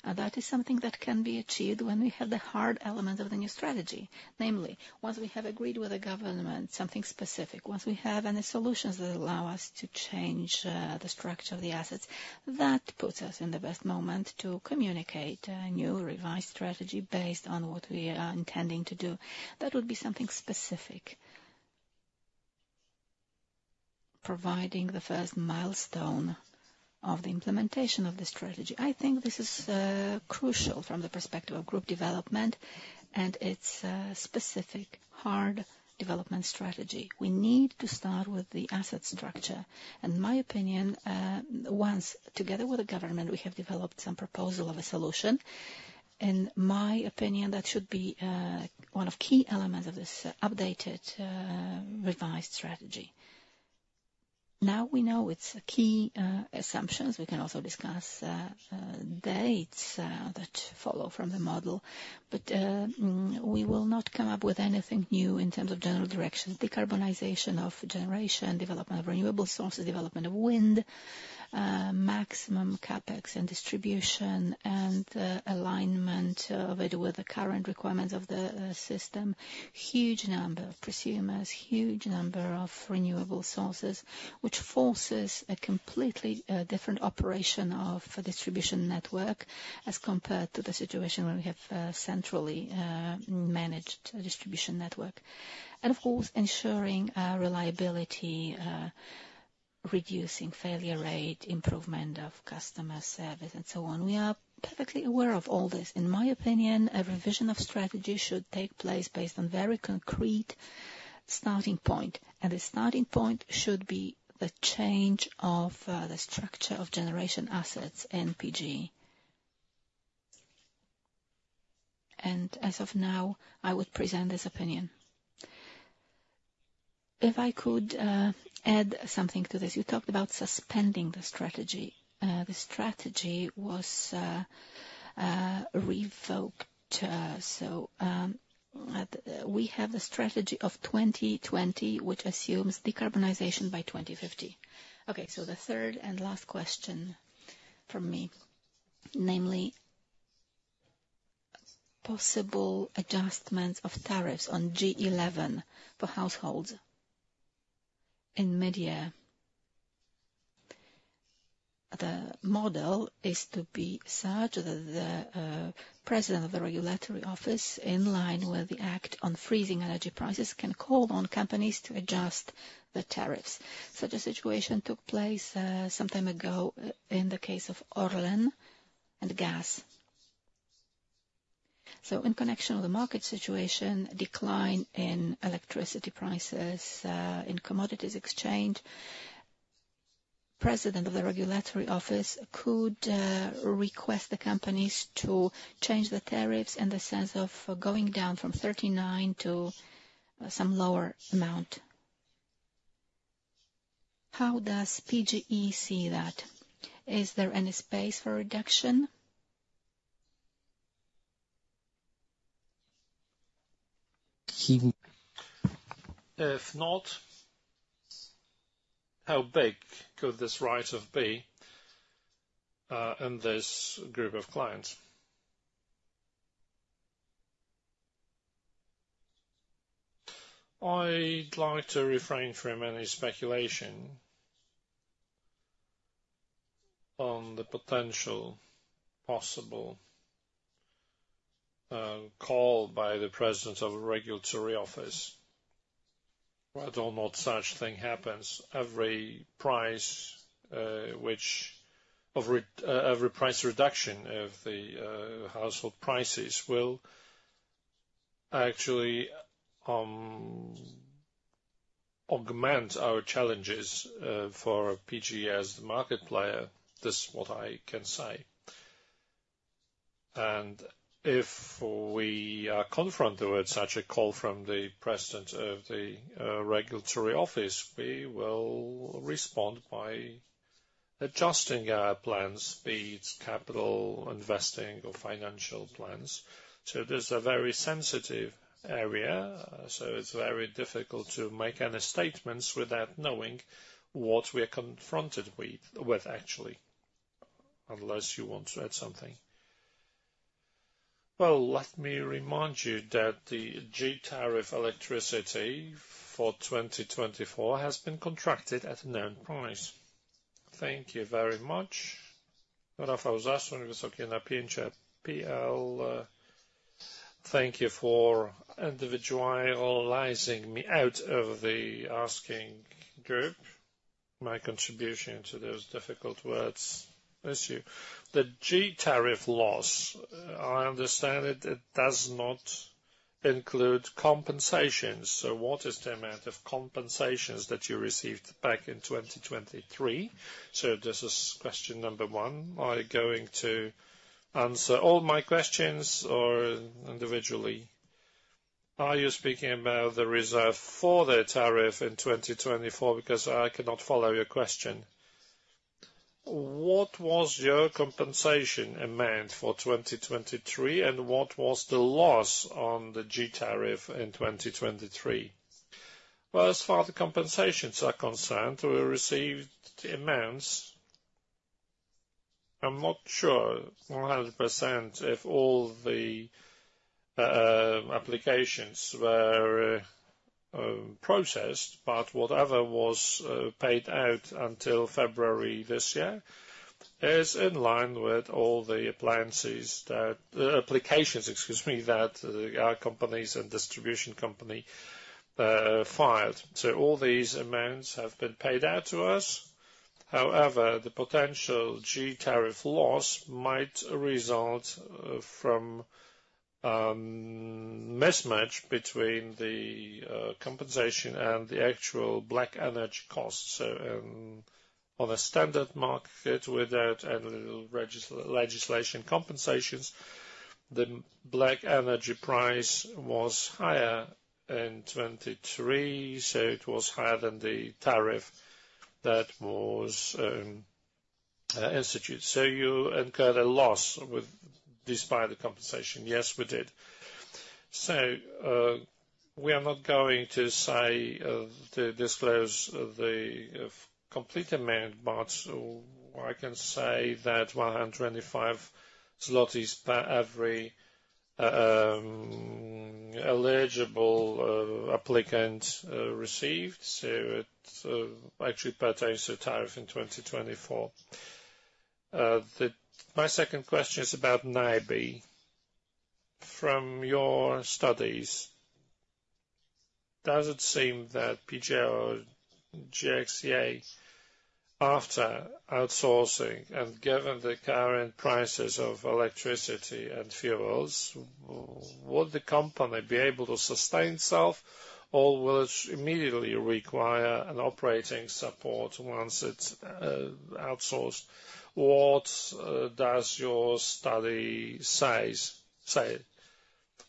that is something that can be achieved when we have the hard elements of the new strategy, namely, once we have agreed with the government something specific, once we have any solutions that allow us to change the structure of the assets, that puts us in the best moment to communicate a new revised strategy based on what we are intending to do. That would be something specific, providing the first milestone of the implementation of the strategy. I think this is crucial from the perspective of group development and its specific hard development strategy. We need to start with the asset structure. In my opinion, once together with the government, we have developed some proposal of a solution, in my opinion, that should be one of key elements of this updated revised strategy. Now we know it's key assumptions. We can also discuss dates that follow from the model, but we will not come up with anything new in terms of general directions. Decarbonization of generation, development of renewable sources, development of wind, maximum CAPEX and distribution, and alignment of it with the current requirements of the system, huge number of prosumers, huge number of renewable sources, which forces a completely different operation of distribution network as compared to the situation where we have centrally managed distribution network. And of course, ensuring reliability, reducing failure rate, improvement of customer service, and so on. We are perfectly aware of all this. In my opinion, a revision of strategy should take place based on a very concrete starting point, and the starting point should be the change of the structure of generation assets in PGE. And as of now, I would present this opinion. If I could add something to this, you talked about suspending the strategy. The strategy was revoked. So we have the strategy of 2020, which assumes decarbonization by 2050. Okay, so the third and last question from me, namely, possible adjustments of tariffs on G11 for households in mid-year. The model is to be such that the president of the regulatory office, in line with the act on freezing energy prices, can call on companies to adjust the tariffs. Such a situation took place some time ago in the case of Orlen and gas. So in connection with the market situation, decline in electricity prices, in commodities exchange, the president of the regulatory office could request the companies to change the tariffs in the sense of going down from 39 to some lower amount. How does PGE see that? Is there any space for reduction? If not, how big could this rise be in this group of clients? I'd like to refrain from any speculation on the potential possible call by the president of the regulatory office. I don't know if such thing happens. Every price reduction of the household prices will actually augment our challenges for PGE as the market player. That's what I can say. And if we are confronted with such a call from the president of the regulatory office, we will respond by adjusting our plans, be it capital investing or financial plans. So this is a very sensitive area. So it's very difficult to make any statements without knowing what we are confronted with actually, unless you want to add something. Well, let me remind you that the G-tariff electricity for 2024 has been contracted at a known price. Thank you very much. No, if I was asked when it was okay in a P&L. Thank you for singling me out of the asking group. My contribution to those difficult words issue. The G-tariff loss, I understand it does not include compensations. So what is the amount of compensations that you received back in 2023? So this is question number one. Am I going to answer all my questions or individually? Are you speaking about the reserve for the tariff in 2024 because I cannot follow your question? What was your compensation amount for 2023, and what was the loss on the G-tariff in 2023? Well, as far as the compensations are concerned, we received amounts. I'm not sure 100% if all the applications were processed, but whatever was paid out until February this year is in line with all the applications, excuse me, that our companies and distribution company filed. So all these amounts have been paid out to us. However, the potential G-tariff loss might result from mismatch between the compensation and the actual black energy costs. So on a standard market without any legislation compensations, the black energy price was higher in 2023. So it was higher than the tariff that was instituted. So you incurred a loss despite the compensation. Yes, we did. So we are not going to disclose the complete amount, but I can say that 125 zlotys per every eligible applicant received. So it actually pertains to tariff in 2024. My second question is about NABE. From your studies, does it seem that PGE Górnictwo i Energetyka Konwencjonalna, after outsourcing and given the current prices of electricity and fuels, would the company be able to sustain itself, or will it immediately require an operating support once it's outsourced? What does your study say?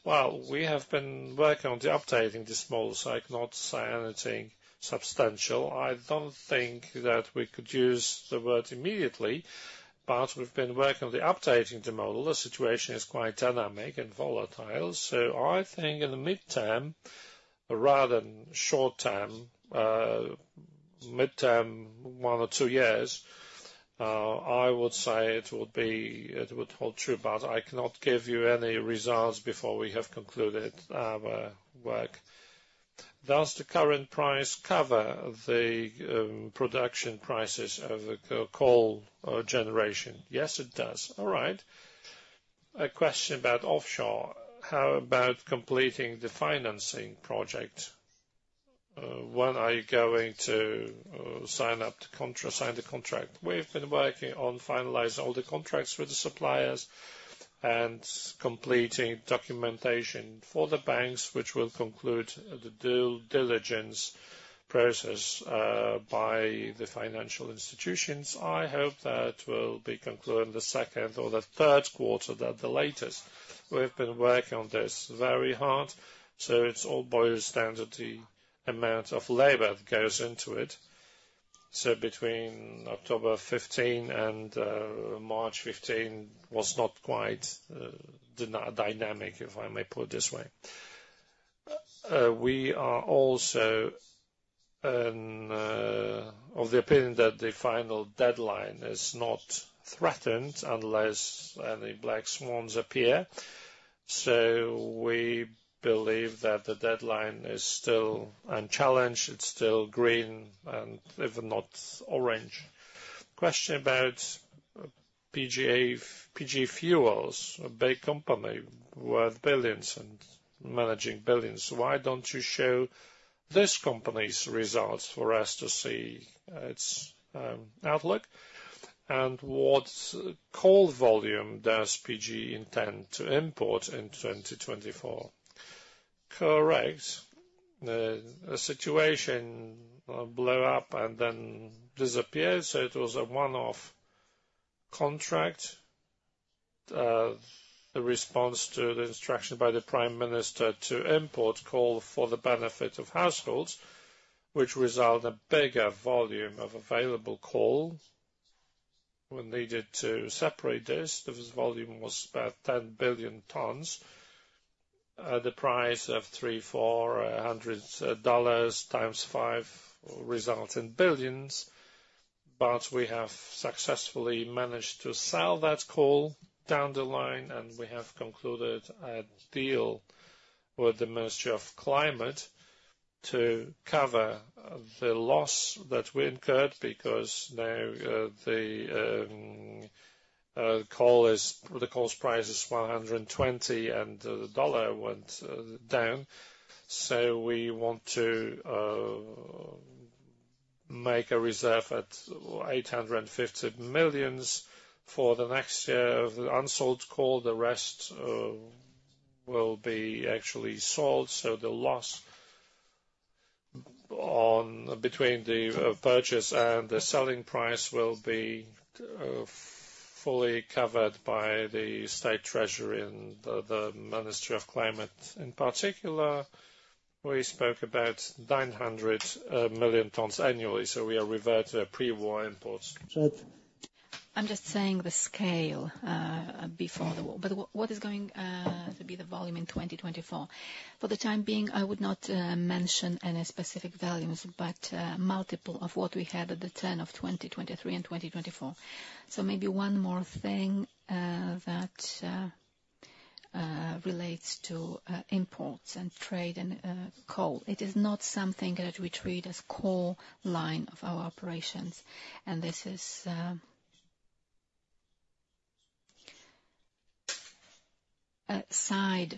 Well, we have been working on updating this model, so I cannot say anything substantial. I don't think that we could use the word immediately, but we've been working on updating the model. The situation is quite dynamic and volatile. So I think in the midterm rather than short-term, midterm one or two years, I would say it would hold true, but I cannot give you any results before we have concluded our work. Does the current price cover the production prices of coal generation? Yes, it does. All right. A question about offshore. How about completing the financing project? When are you going to sign the contract? We've been working on finalizing all the contracts with the suppliers and completing documentation for the banks, which will conclude the diligence process by the financial institutions. I hope that will be concluded in the second or the third quarter, that's the latest. We've been working on this very hard. So it's all a standard amount of labor that goes into it. So between 15 October 2024 and 15 March 2023 was not quite dynamic, if I may put it this way. We are also of the opinion that the final deadline is not threatened unless any black swans appear. So we believe that the deadline is still unchallenged. It's still green and even not orange. Question about PGE Fuels, a big company worth billions and managing billions. Why don't you show this company's results for us to see its outlook and what coal volume does PGE intend to import in 2024? Correct. The situation blew up and then disappeared. So it was a one-off contract, a response to the instruction by the prime minister to import coal for the benefit of households, which resulted in a bigger volume of available coal. When needed to separate this, this volume was about 10 billion tons, the price of $3,400 times five resulted in billions. But we have successfully managed to sell that coal down the line, and we have concluded a deal with the Ministry of Climate to cover the loss that we incurred because now the coal price is $120 and the dollar went down. So we want to make a reserve at 850 million for the next year of the unsold coal. The rest will be actually sold. So the loss between the purchase and the selling price will be fully covered by the state treasury and the Ministry of Climate. In particular, we spoke about 900 million tons annually. So we are reverting to pre-war imports. I'm just saying the scale before the war. But what is going to be the volume in 2024? For the time being, I would not mention any specific values, but multiple of what we had at the turn of 2023 and 2024. So maybe one more thing that relates to imports and trade and coal. It is not something that we treat as the core line of our operations, and this is a side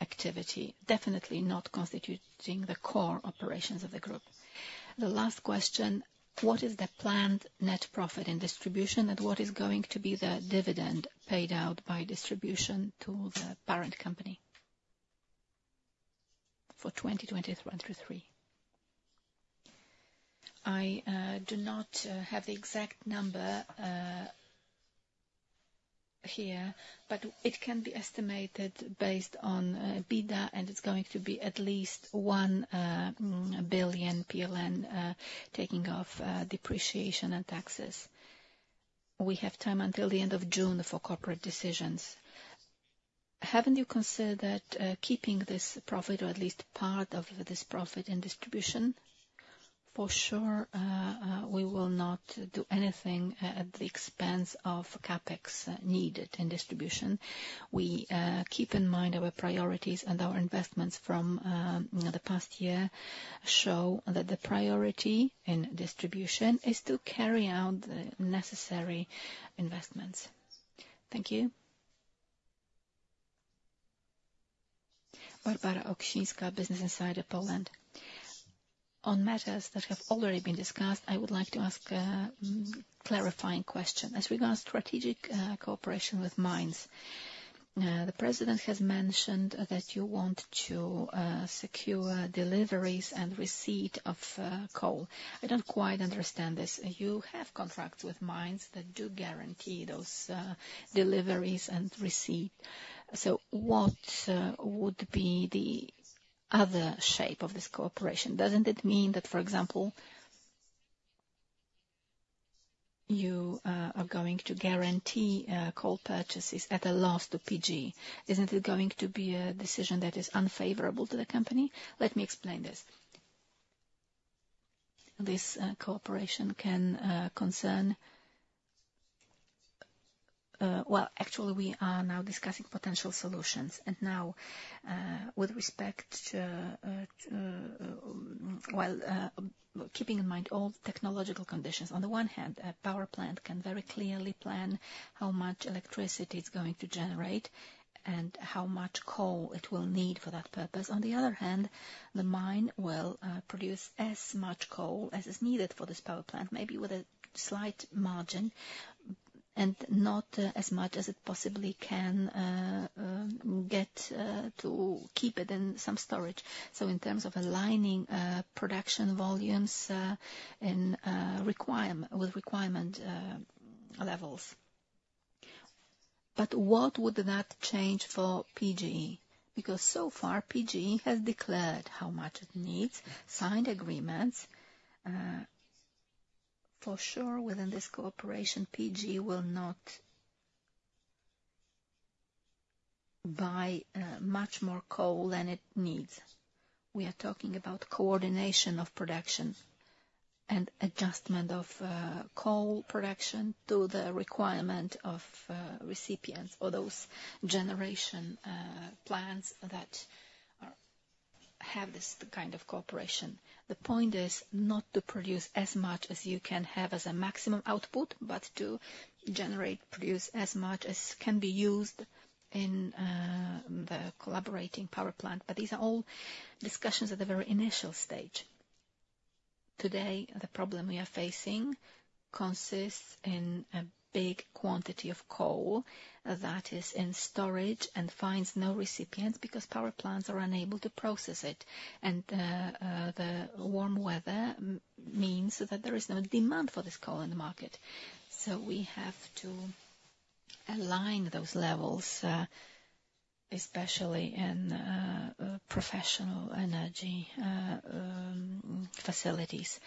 activity, definitely not constituting the core operations of the group. The last question, what is the planned net profit in distribution, and what is going to be the dividend paid out by distribution to the parent company for 2023? I do not have the exact number here, but it can be estimated based on EBITDA, and it's going to be at least 1 billion PLN taking off depreciation and taxes. We have time until the end of June for corporate decisions. Haven't you considered keeping this profit or at least part of this profit in distribution? For sure, we will not do anything at the expense of CAPEX needed in distribution. We keep in mind our priorities, and our investments from the past year show that the priority in distribution is to carry out the necessary investments. Thank you. Barbara Oksińska, Business Insider Poland. On matters that have already been discussed, I would like to ask a clarifying question as regards strategic cooperation with mines. The president has mentioned that you want to secure deliveries and receipt of coal. I don't quite understand this. You have contracts with mines that do guarantee those deliveries and receipt. So what would be the other shape of this cooperation? Doesn't it mean that, for example, you are going to guarantee coal purchases at a loss to PGE? Isn't it going to be a decision that is unfavorable to the company? Let me explain this. This cooperation can concern, well, actually, we are now discussing potential solutions. And now, with respect to, while keeping in mind all technological conditions, on the one hand, a power plant can very clearly plan how much electricity it's going to generate and how much coal it will need for that purpose. On the other hand, the mine will produce as much coal as is needed for this power plant, maybe with a slight margin, and not as much as it possibly can, to keep it in some storage. So in terms of aligning production volumes with requirement levels. But what would that change for PGE? Because so far, PGE has declared how much it needs, signed agreements. For sure, within this cooperation, PGE will not buy much more coal than it needs. We are talking about coordination of production and adjustment of coal production to the requirement of recipients or those generation plants that have this kind of cooperation. The point is not to produce as much as you can have as a maximum output, but to produce as much as can be used in the collaborating power plant. But these are all discussions at a very initial stage. Today, the problem we are facing consists in a big quantity of coal that is in storage and finds no recipients because power plants are unable to process it. And the warm weather means that there is no demand for this coal in the market. So we have to align those levels, especially in professional energy facilities,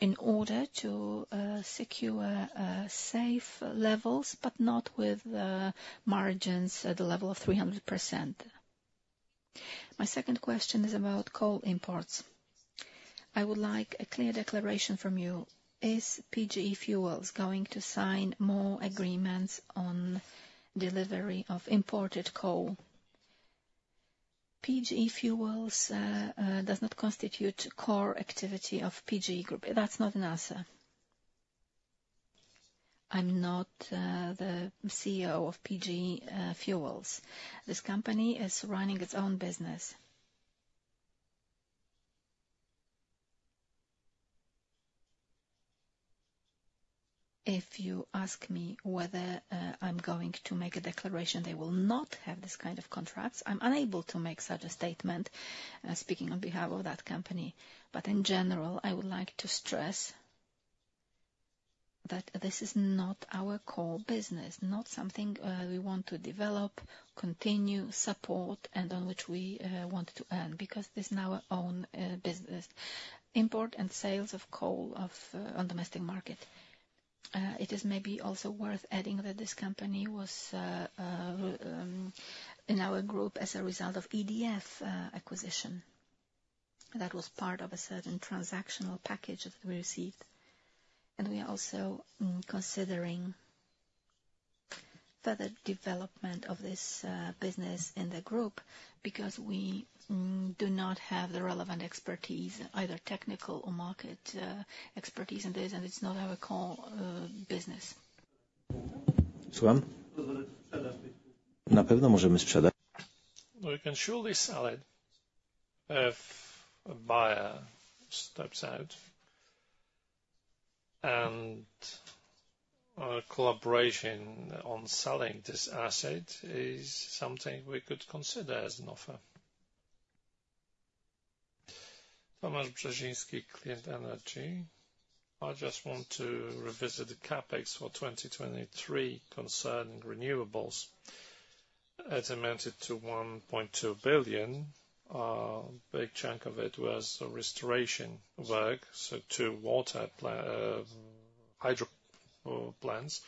in order to secure safe levels but not with margins at the level of 300%. My second question is about coal imports. I would like a clear declaration from you. Is PGE Fuels going to sign more agreements on delivery of imported coal? PGE Fuels does not constitute core activity of PGE Group. That's not an answer. I'm not the CEO of PGE Fuels. This company is running its own business. If you ask me whether I'm going to make a declaration, they will not have this kind of contracts. I'm unable to make such a statement speaking on behalf of that company. In general, I would like to stress that this is not our core business, not something we want to develop, continue, support, and on which we want to earn because this is our own business: import and sales of coal on the domestic market. It is maybe also worth adding that this company was in our group as a result of EDF acquisition. That was part of a certain transactional package that we received. We are also considering further development of this business in the group because we do not have the relevant expertise, either technical or market expertise, in this, and it's not our core business. Słucham? Na pewno możemy sprzedać? We can surely sell it if a buyer steps out. Our collaboration on selling this asset is something we could consider as an offer. Tomasz Brzeziński, Cleaner Energy. I just want to revisit the CAPEX for 2023 concerning renewables. It's amounted to 1.2 billion. A big chunk of it was restoration work, so two water hydro plants.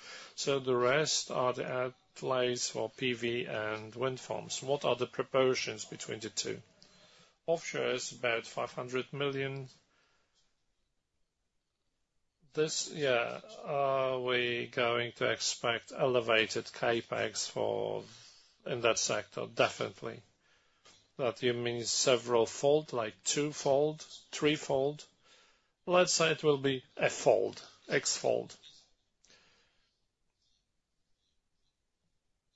The rest are the platforms for PV and wind farms. What are the proportions between the two? Offshore is about PLN 500 million. Yeah. Are we going to expect elevated CAPEX in that sector, definitely? That you mean several-fold, like twofold, threefold? Let's say it will be a-fold, x-fold. But it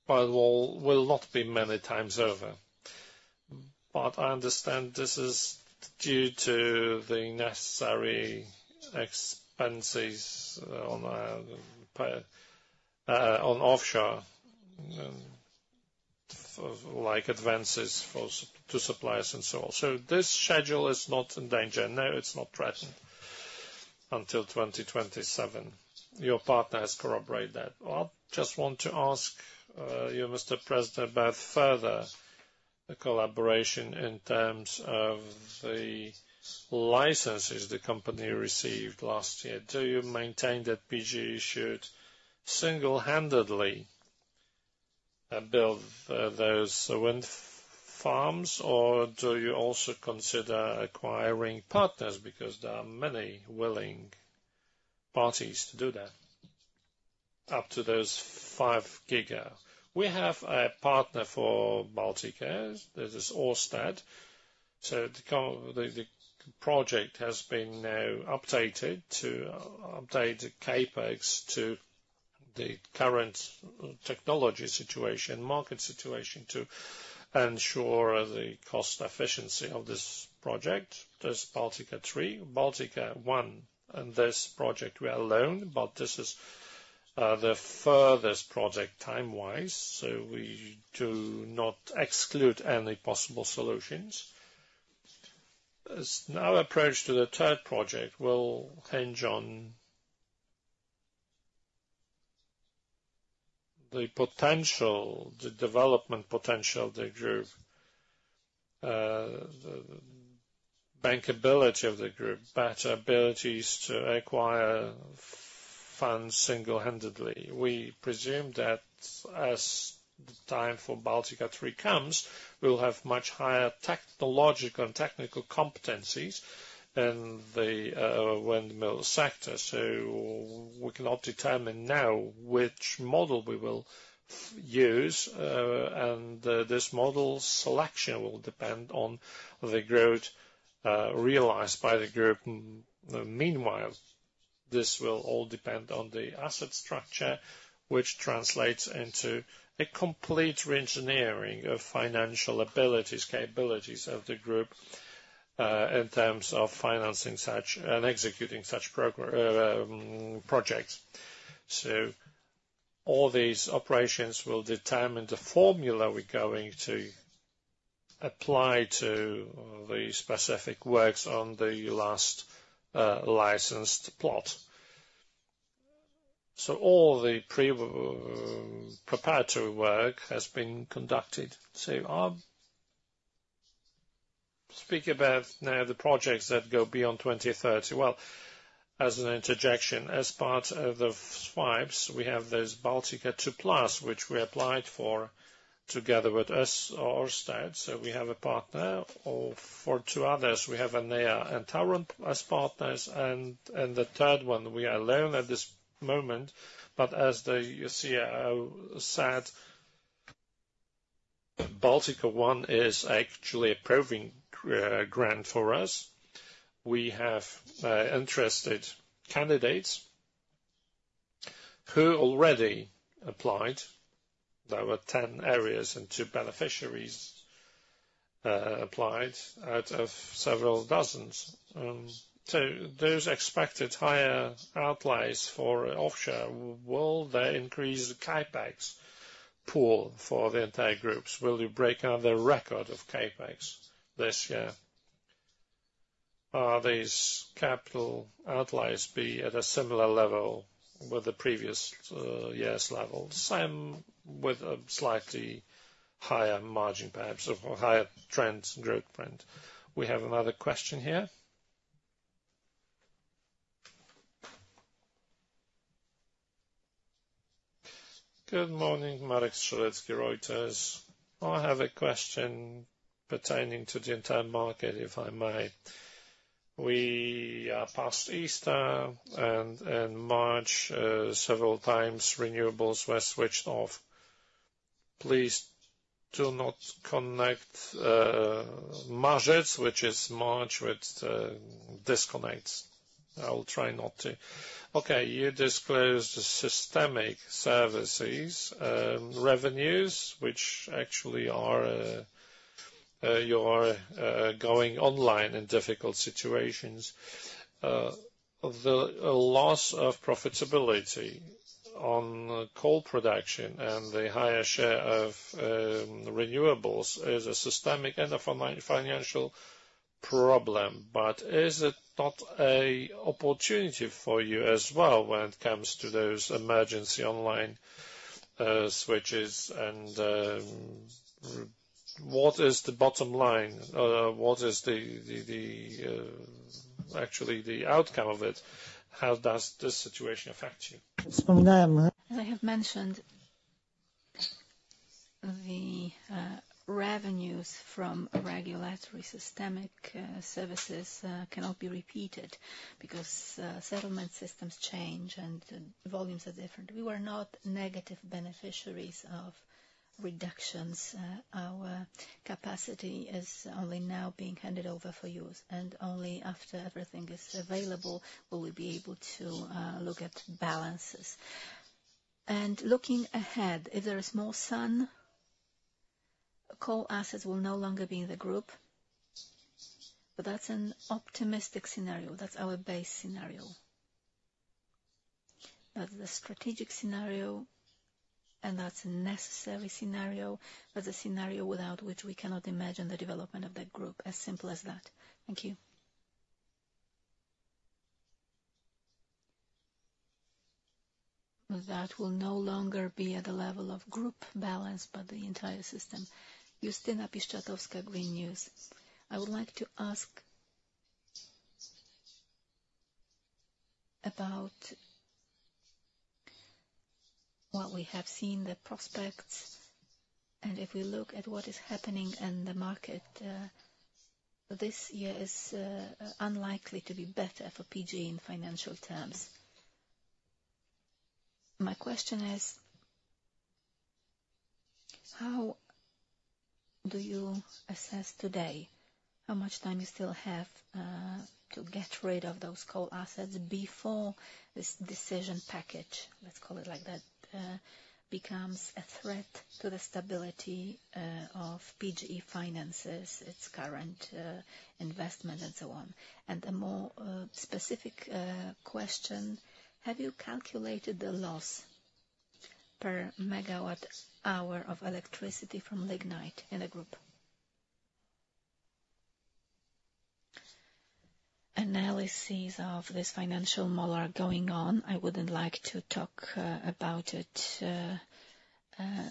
will not be many times over. But I understand this is due to the necessary expenses on offshore, like advances to suppliers and so on. This schedule is not in danger. No, it's not threatened until 2027. Your partner has corroborated that. I just want to ask you, Mr. President, about further collaboration in terms of the licenses the company received last year. Do you maintain that PGE should single-handedly build those wind farms, or do you also consider acquiring partners because there are many willing parties to do that up to those 5 gigawatts? We have a partner for Baltica 2. This is Ørsted. So the project has been now updated to update the CAPEX to the current technology situation, market situation, to ensure the cost efficiency of this project. There's Baltica 3, Baltica 1. In this project, we are alone, but this is the furthest project timewise, so we do not exclude any possible solutions. Our approach to the third project will hinge on the development potential of the group, bankability of the group, better abilities to acquire funds single-handedly. We presume that as the time for Baltica 3 comes, we'll have much higher technological and technical competencies in the windmill sector. So we cannot determine now which model we will use, and this model selection will depend on the growth realized by the group. Meanwhile, this will all depend on the asset structure, which translates into a complete re-engineering of financial abilities, capabilities of the group in terms of financing and executing such projects. So all these operations will determine the formula we're going to apply to the specific works on the last licensed plot. So all the preparatory work has been conducted. So speaking about now the projects that go beyond 2030. Well, as an interjection, as part of the swipes, we have this Baltica 2 Plus, which we applied for together with Ørsted. So we have a partner. For two others, we have Enea and Tauron as partners. And the third one, we are alone at this moment. But as the CEO said, Baltica 1 is actually a proving ground for us. We have interested candidates who already applied. There were 10 areas and two beneficiaries applied out of several dozens. So those expected higher outlays for offshore, will they increase the CAPEX pool for the entire groups? Will you break out their record of CAPEX this year? Are these capital outlays be at a similar level with the previous year's level, same with a slightly higher margin, perhaps, or higher trend and growth print? We have another question here. Good morning, Marek Strzelecki, Reuters. I have a question pertaining to the internal market, if I may. We are past Easter, and in March, several times, renewables were switched off. Please do not connect markets, which is March, with disconnects. I will try not to. Okay. You disclosed systemic services revenues, which actually are you are going online in difficult situations. The loss of profitability on coal production and the higher share of renewables is a systemic and a financial problem, but is it not an opportunity for you as well when it comes to those emergency online switches? And what is the bottom line? What is actually the outcome of it? How does this situation affect you? Wspominałem. I have mentioned the revenues from regulatory systemic services cannot be repeated because settlement systems change and volumes are different. We were not negative beneficiaries of reductions. Our capacity is only now being handed over for use, and only after everything is available will we be able to look at balances. Looking ahead, if there is more sun, coal assets will no longer be in the group, but that's an optimistic scenario. That's our base scenario. That's the strategic scenario, and that's a necessary scenario. That's a scenario without which we cannot imagine the development of that group, as simple as that. Thank you. That will no longer be at the level of group balance, but the entire system. Justyna Piszczatowska, Green News. I would like to ask about what we have seen, the prospects, and if we look at what is happening in the market, this year is unlikely to be better for PGE in financial terms. My question is, how do you assess today how much time you still have to get rid of those coal assets before this decision package, let's call it like that, becomes a threat to the stability of PGE finances, its current investments, and so on? And a more specific question, have you calculated the loss per megawatt-hour of electricity from lignite in the group? Analyses of this financial model are going on. I wouldn't like to talk about it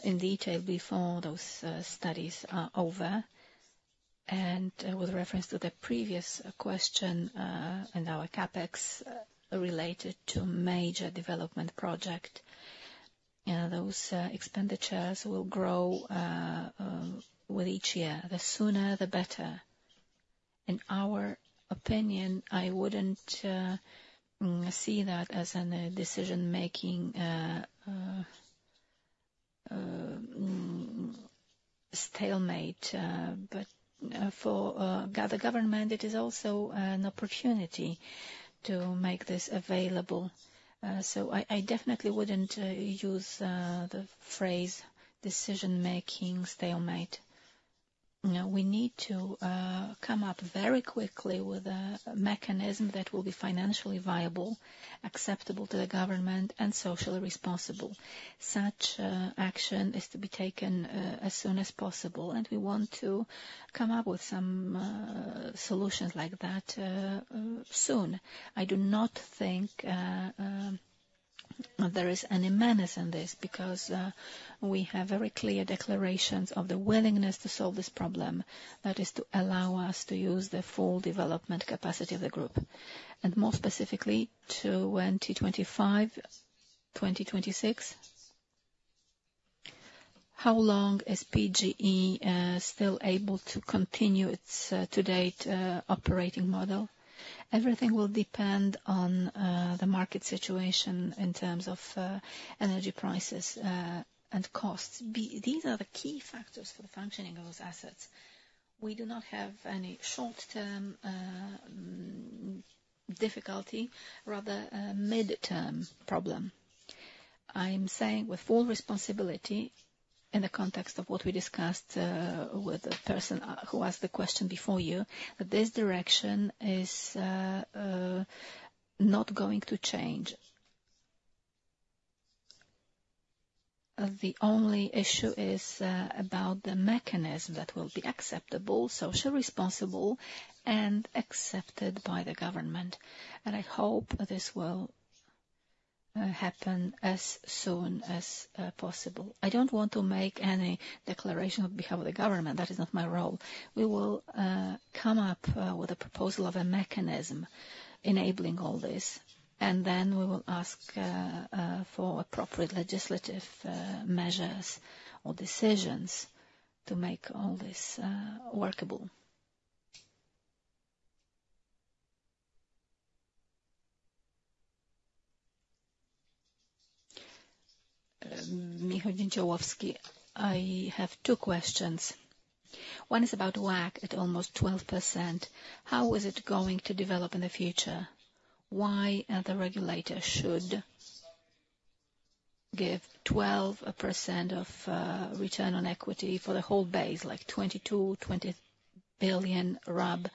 in detail before those studies are over. And with reference to the previous question in our CAPEX related to major development projects, those expenditures will grow with each year. The sooner, the better. In our opinion, I wouldn't see that as a decision-making stalemate, but for the government, it is also an opportunity to make this available. So I definitely wouldn't use the phrase decision-making stalemate. We need to come up very quickly with a mechanism that will be financially viable, acceptable to the government, and socially responsible. Such action is to be taken as soon as possible, and we want to come up with some solutions like that soon. I do not think there is any menace in this because we have very clear declarations of the willingness to solve this problem. That is to allow us to use the full development capacity of the group. And more specifically, to 2025, 2026, how long is PGE still able to continue its to-date operating model? Everything will depend on the market situation in terms of energy prices and costs. These are the key factors for the functioning of those assets. We do not have any short-term difficulty, rather a mid-term problem. I'm saying with full responsibility in the context of what we discussed with the person who asked the question before you, that this direction is not going to change. The only issue is about the mechanism that will be acceptable, socially responsible, and accepted by the government. I hope this will happen as soon as possible. I don't want to make any declaration on behalf of the government. That is not my role. We will come up with a proposal of a mechanism enabling all this, and then we will ask for appropriate legislative measures or decisions to make all this workable. Piotr Dzięciołowski, I have two questions. One is about WACC at almost 12%. How is it going to develop in the future? Why the regulator should give 12% return on equity for the whole base, like 20 to 22 billion RAB,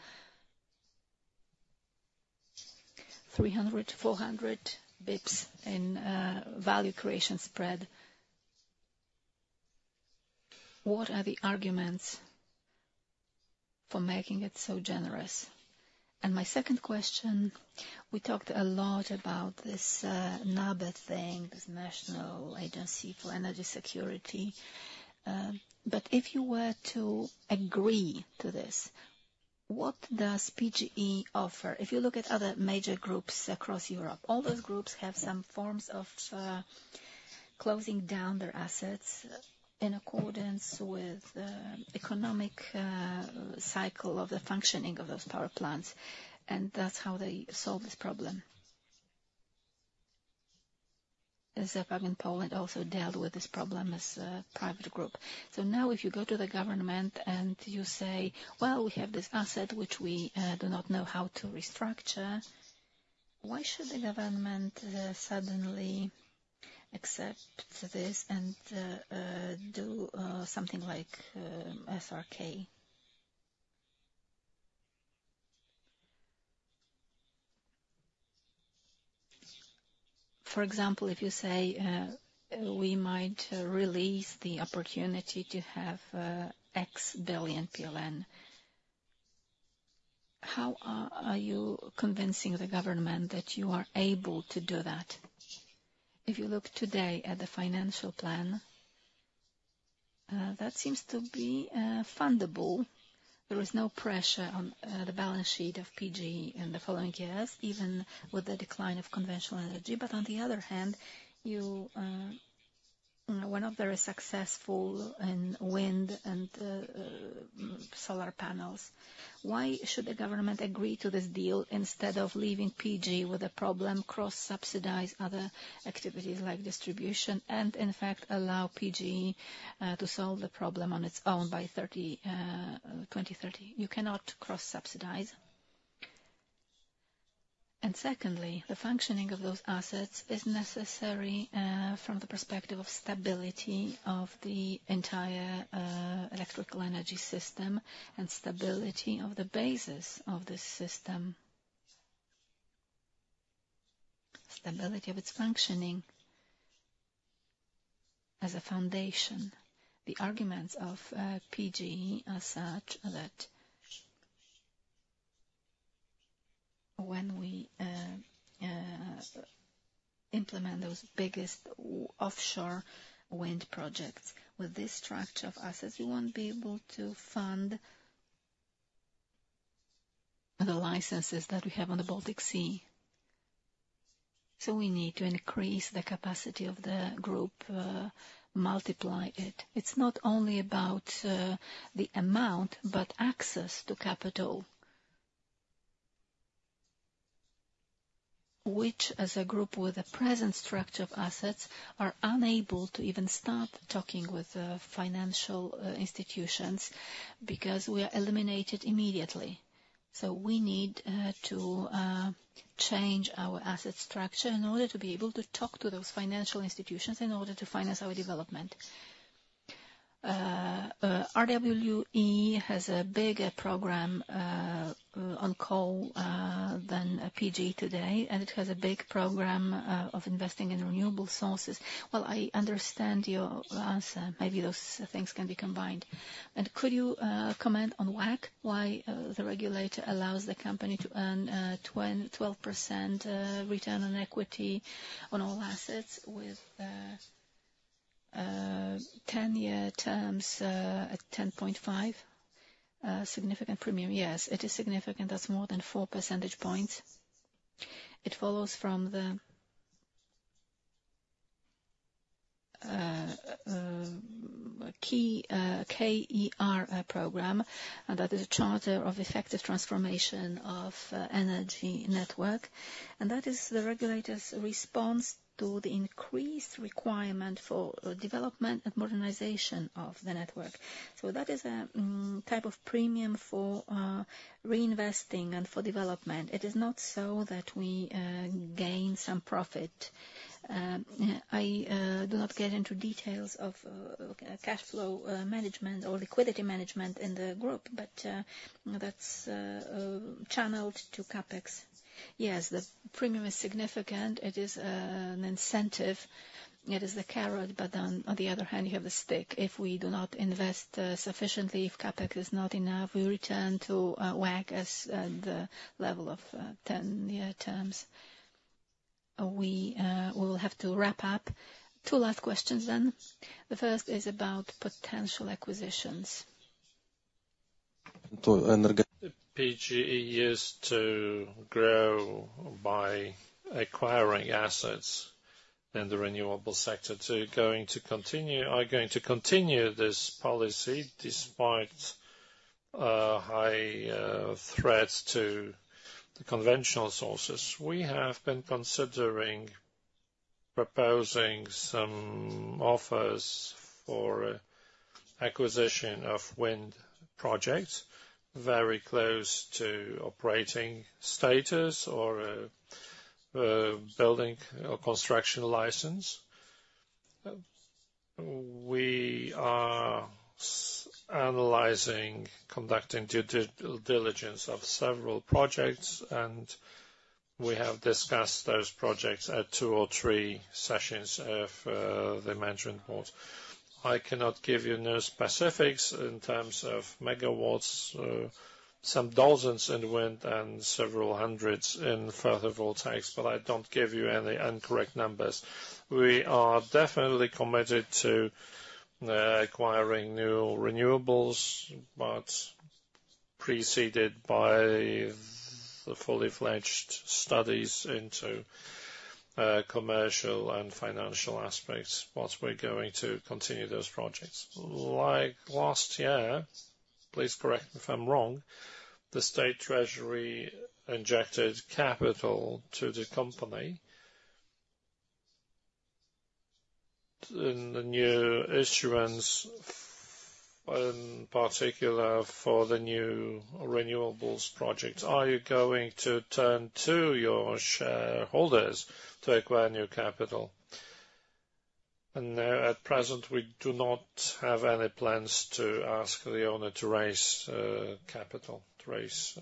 300 to 400 basis points in value creation spread? What are the arguments for making it so generous? My second question, we talked a lot about this NABE thing, this National Agency for Energy Security. But if you were to agree to this, what does PGE offer? If you look at other major groups across Europe, all those groups have some forms of closing down their assets in accordance with the economic cycle of the functioning of those power plants, and that's how they solve this problem. ZE PAK in Poland also dealt with this problem as a private group. Now if you go to the government and you say, "Well, we have this asset which we do not know how to restructure," why should the government suddenly accept this and do something like SRK? For example, if you say, "We might release the opportunity to have X billion PLN," how are you convincing the government that you are able to do that? If you look today at the financial plan, that seems to be fundable. There is no pressure on the balance sheet of PGE in the following years, even with the decline of conventional energy. But on the other hand, whenever they're successful in wind and solar panels, why should the government agree to this deal instead of leaving PGE with a problem, cross-subsidize other activities like distribution, and in fact, allow PGE to solve the problem on its own by 2030? You cannot cross-subsidize. And secondly, the functioning of those assets is necessary from the perspective of stability of the entire electrical energy system and stability of the basis of this system, stability of its functioning as a foundation. The arguments of PGE as such that when we implement those biggest offshore wind projects with this structure of assets, we won't be able to fund the licenses that we have on the Baltic Sea. So we need to increase the capacity of the group, multiply it. It's not only about the amount but access to capital, which as a group with a present structure of assets are unable to even start talking with financial institutions because we are eliminated immediately. So we need to change our asset structure in order to be able to talk to those financial institutions in order to finance our development. RWE has a bigger program on coal than PGE today, and it has a big program of investing in renewable sources. Well, I understand your answer. Maybe those things can be combined. And could you comment on WACC, why the regulator allows the company to earn 12% return on equity on all assets with 10-year terms at 10.5? Significant premium. Yes, it is significant. That's more than four percentage points. It follows from the KET program, and that is a charter of effective transformation of energy network. And that is the regulator's response to the increased requirement for development and modernization of the network. So that is a type of premium for reinvesting and for development. It is not so that we gain some profit. I do not get into details of cash flow management or liquidity management in the group, but that's channeled to CapEx. Yes, the premium is significant. It is an incentive. It is the carrot, but on the other hand, you have the stick. If we do not invest sufficiently, if CAPEX is not enough, we return to WACC at the level of 10-year terms. We will have to wrap up. Two last questions then. The first is about potential acquisitions. To Energetyczna. PGE used to grow by acquiring assets in the renewable sector. So are going to continue this policy despite high threats to the conventional sources? We have been considering proposing some offers for acquisition of wind projects very close to operating status or building or construction license. We are analyzing, conducting due diligence of several projects, and we have discussed those projects at two or three sessions of the management board. I cannot give you no specifics in terms of megawatts, some dozens in wind, and several hundreds in further photovoltaics, but I don't give you any incorrect numbers. We are definitely committed to acquiring new renewables, but preceded by the full-fledged studies into commercial and financial aspects, but we're going to continue those projects. Like last year, please correct me if I'm wrong, the State Treasury injected capital to the company in the new issuance, in particular for the new renewables projects. Are you going to turn to your shareholders to acquire new capital? And now at present, we do not have any plans to ask the owner to raise capital, to raise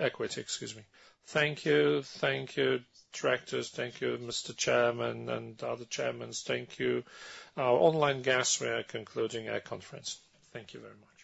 equity. Excuse me. Thank you. Thank you, directors. Thank you, Mr. Chairman, and other chairmen. Thank you. Our online guests, we are concluding our conference. Thank you very much.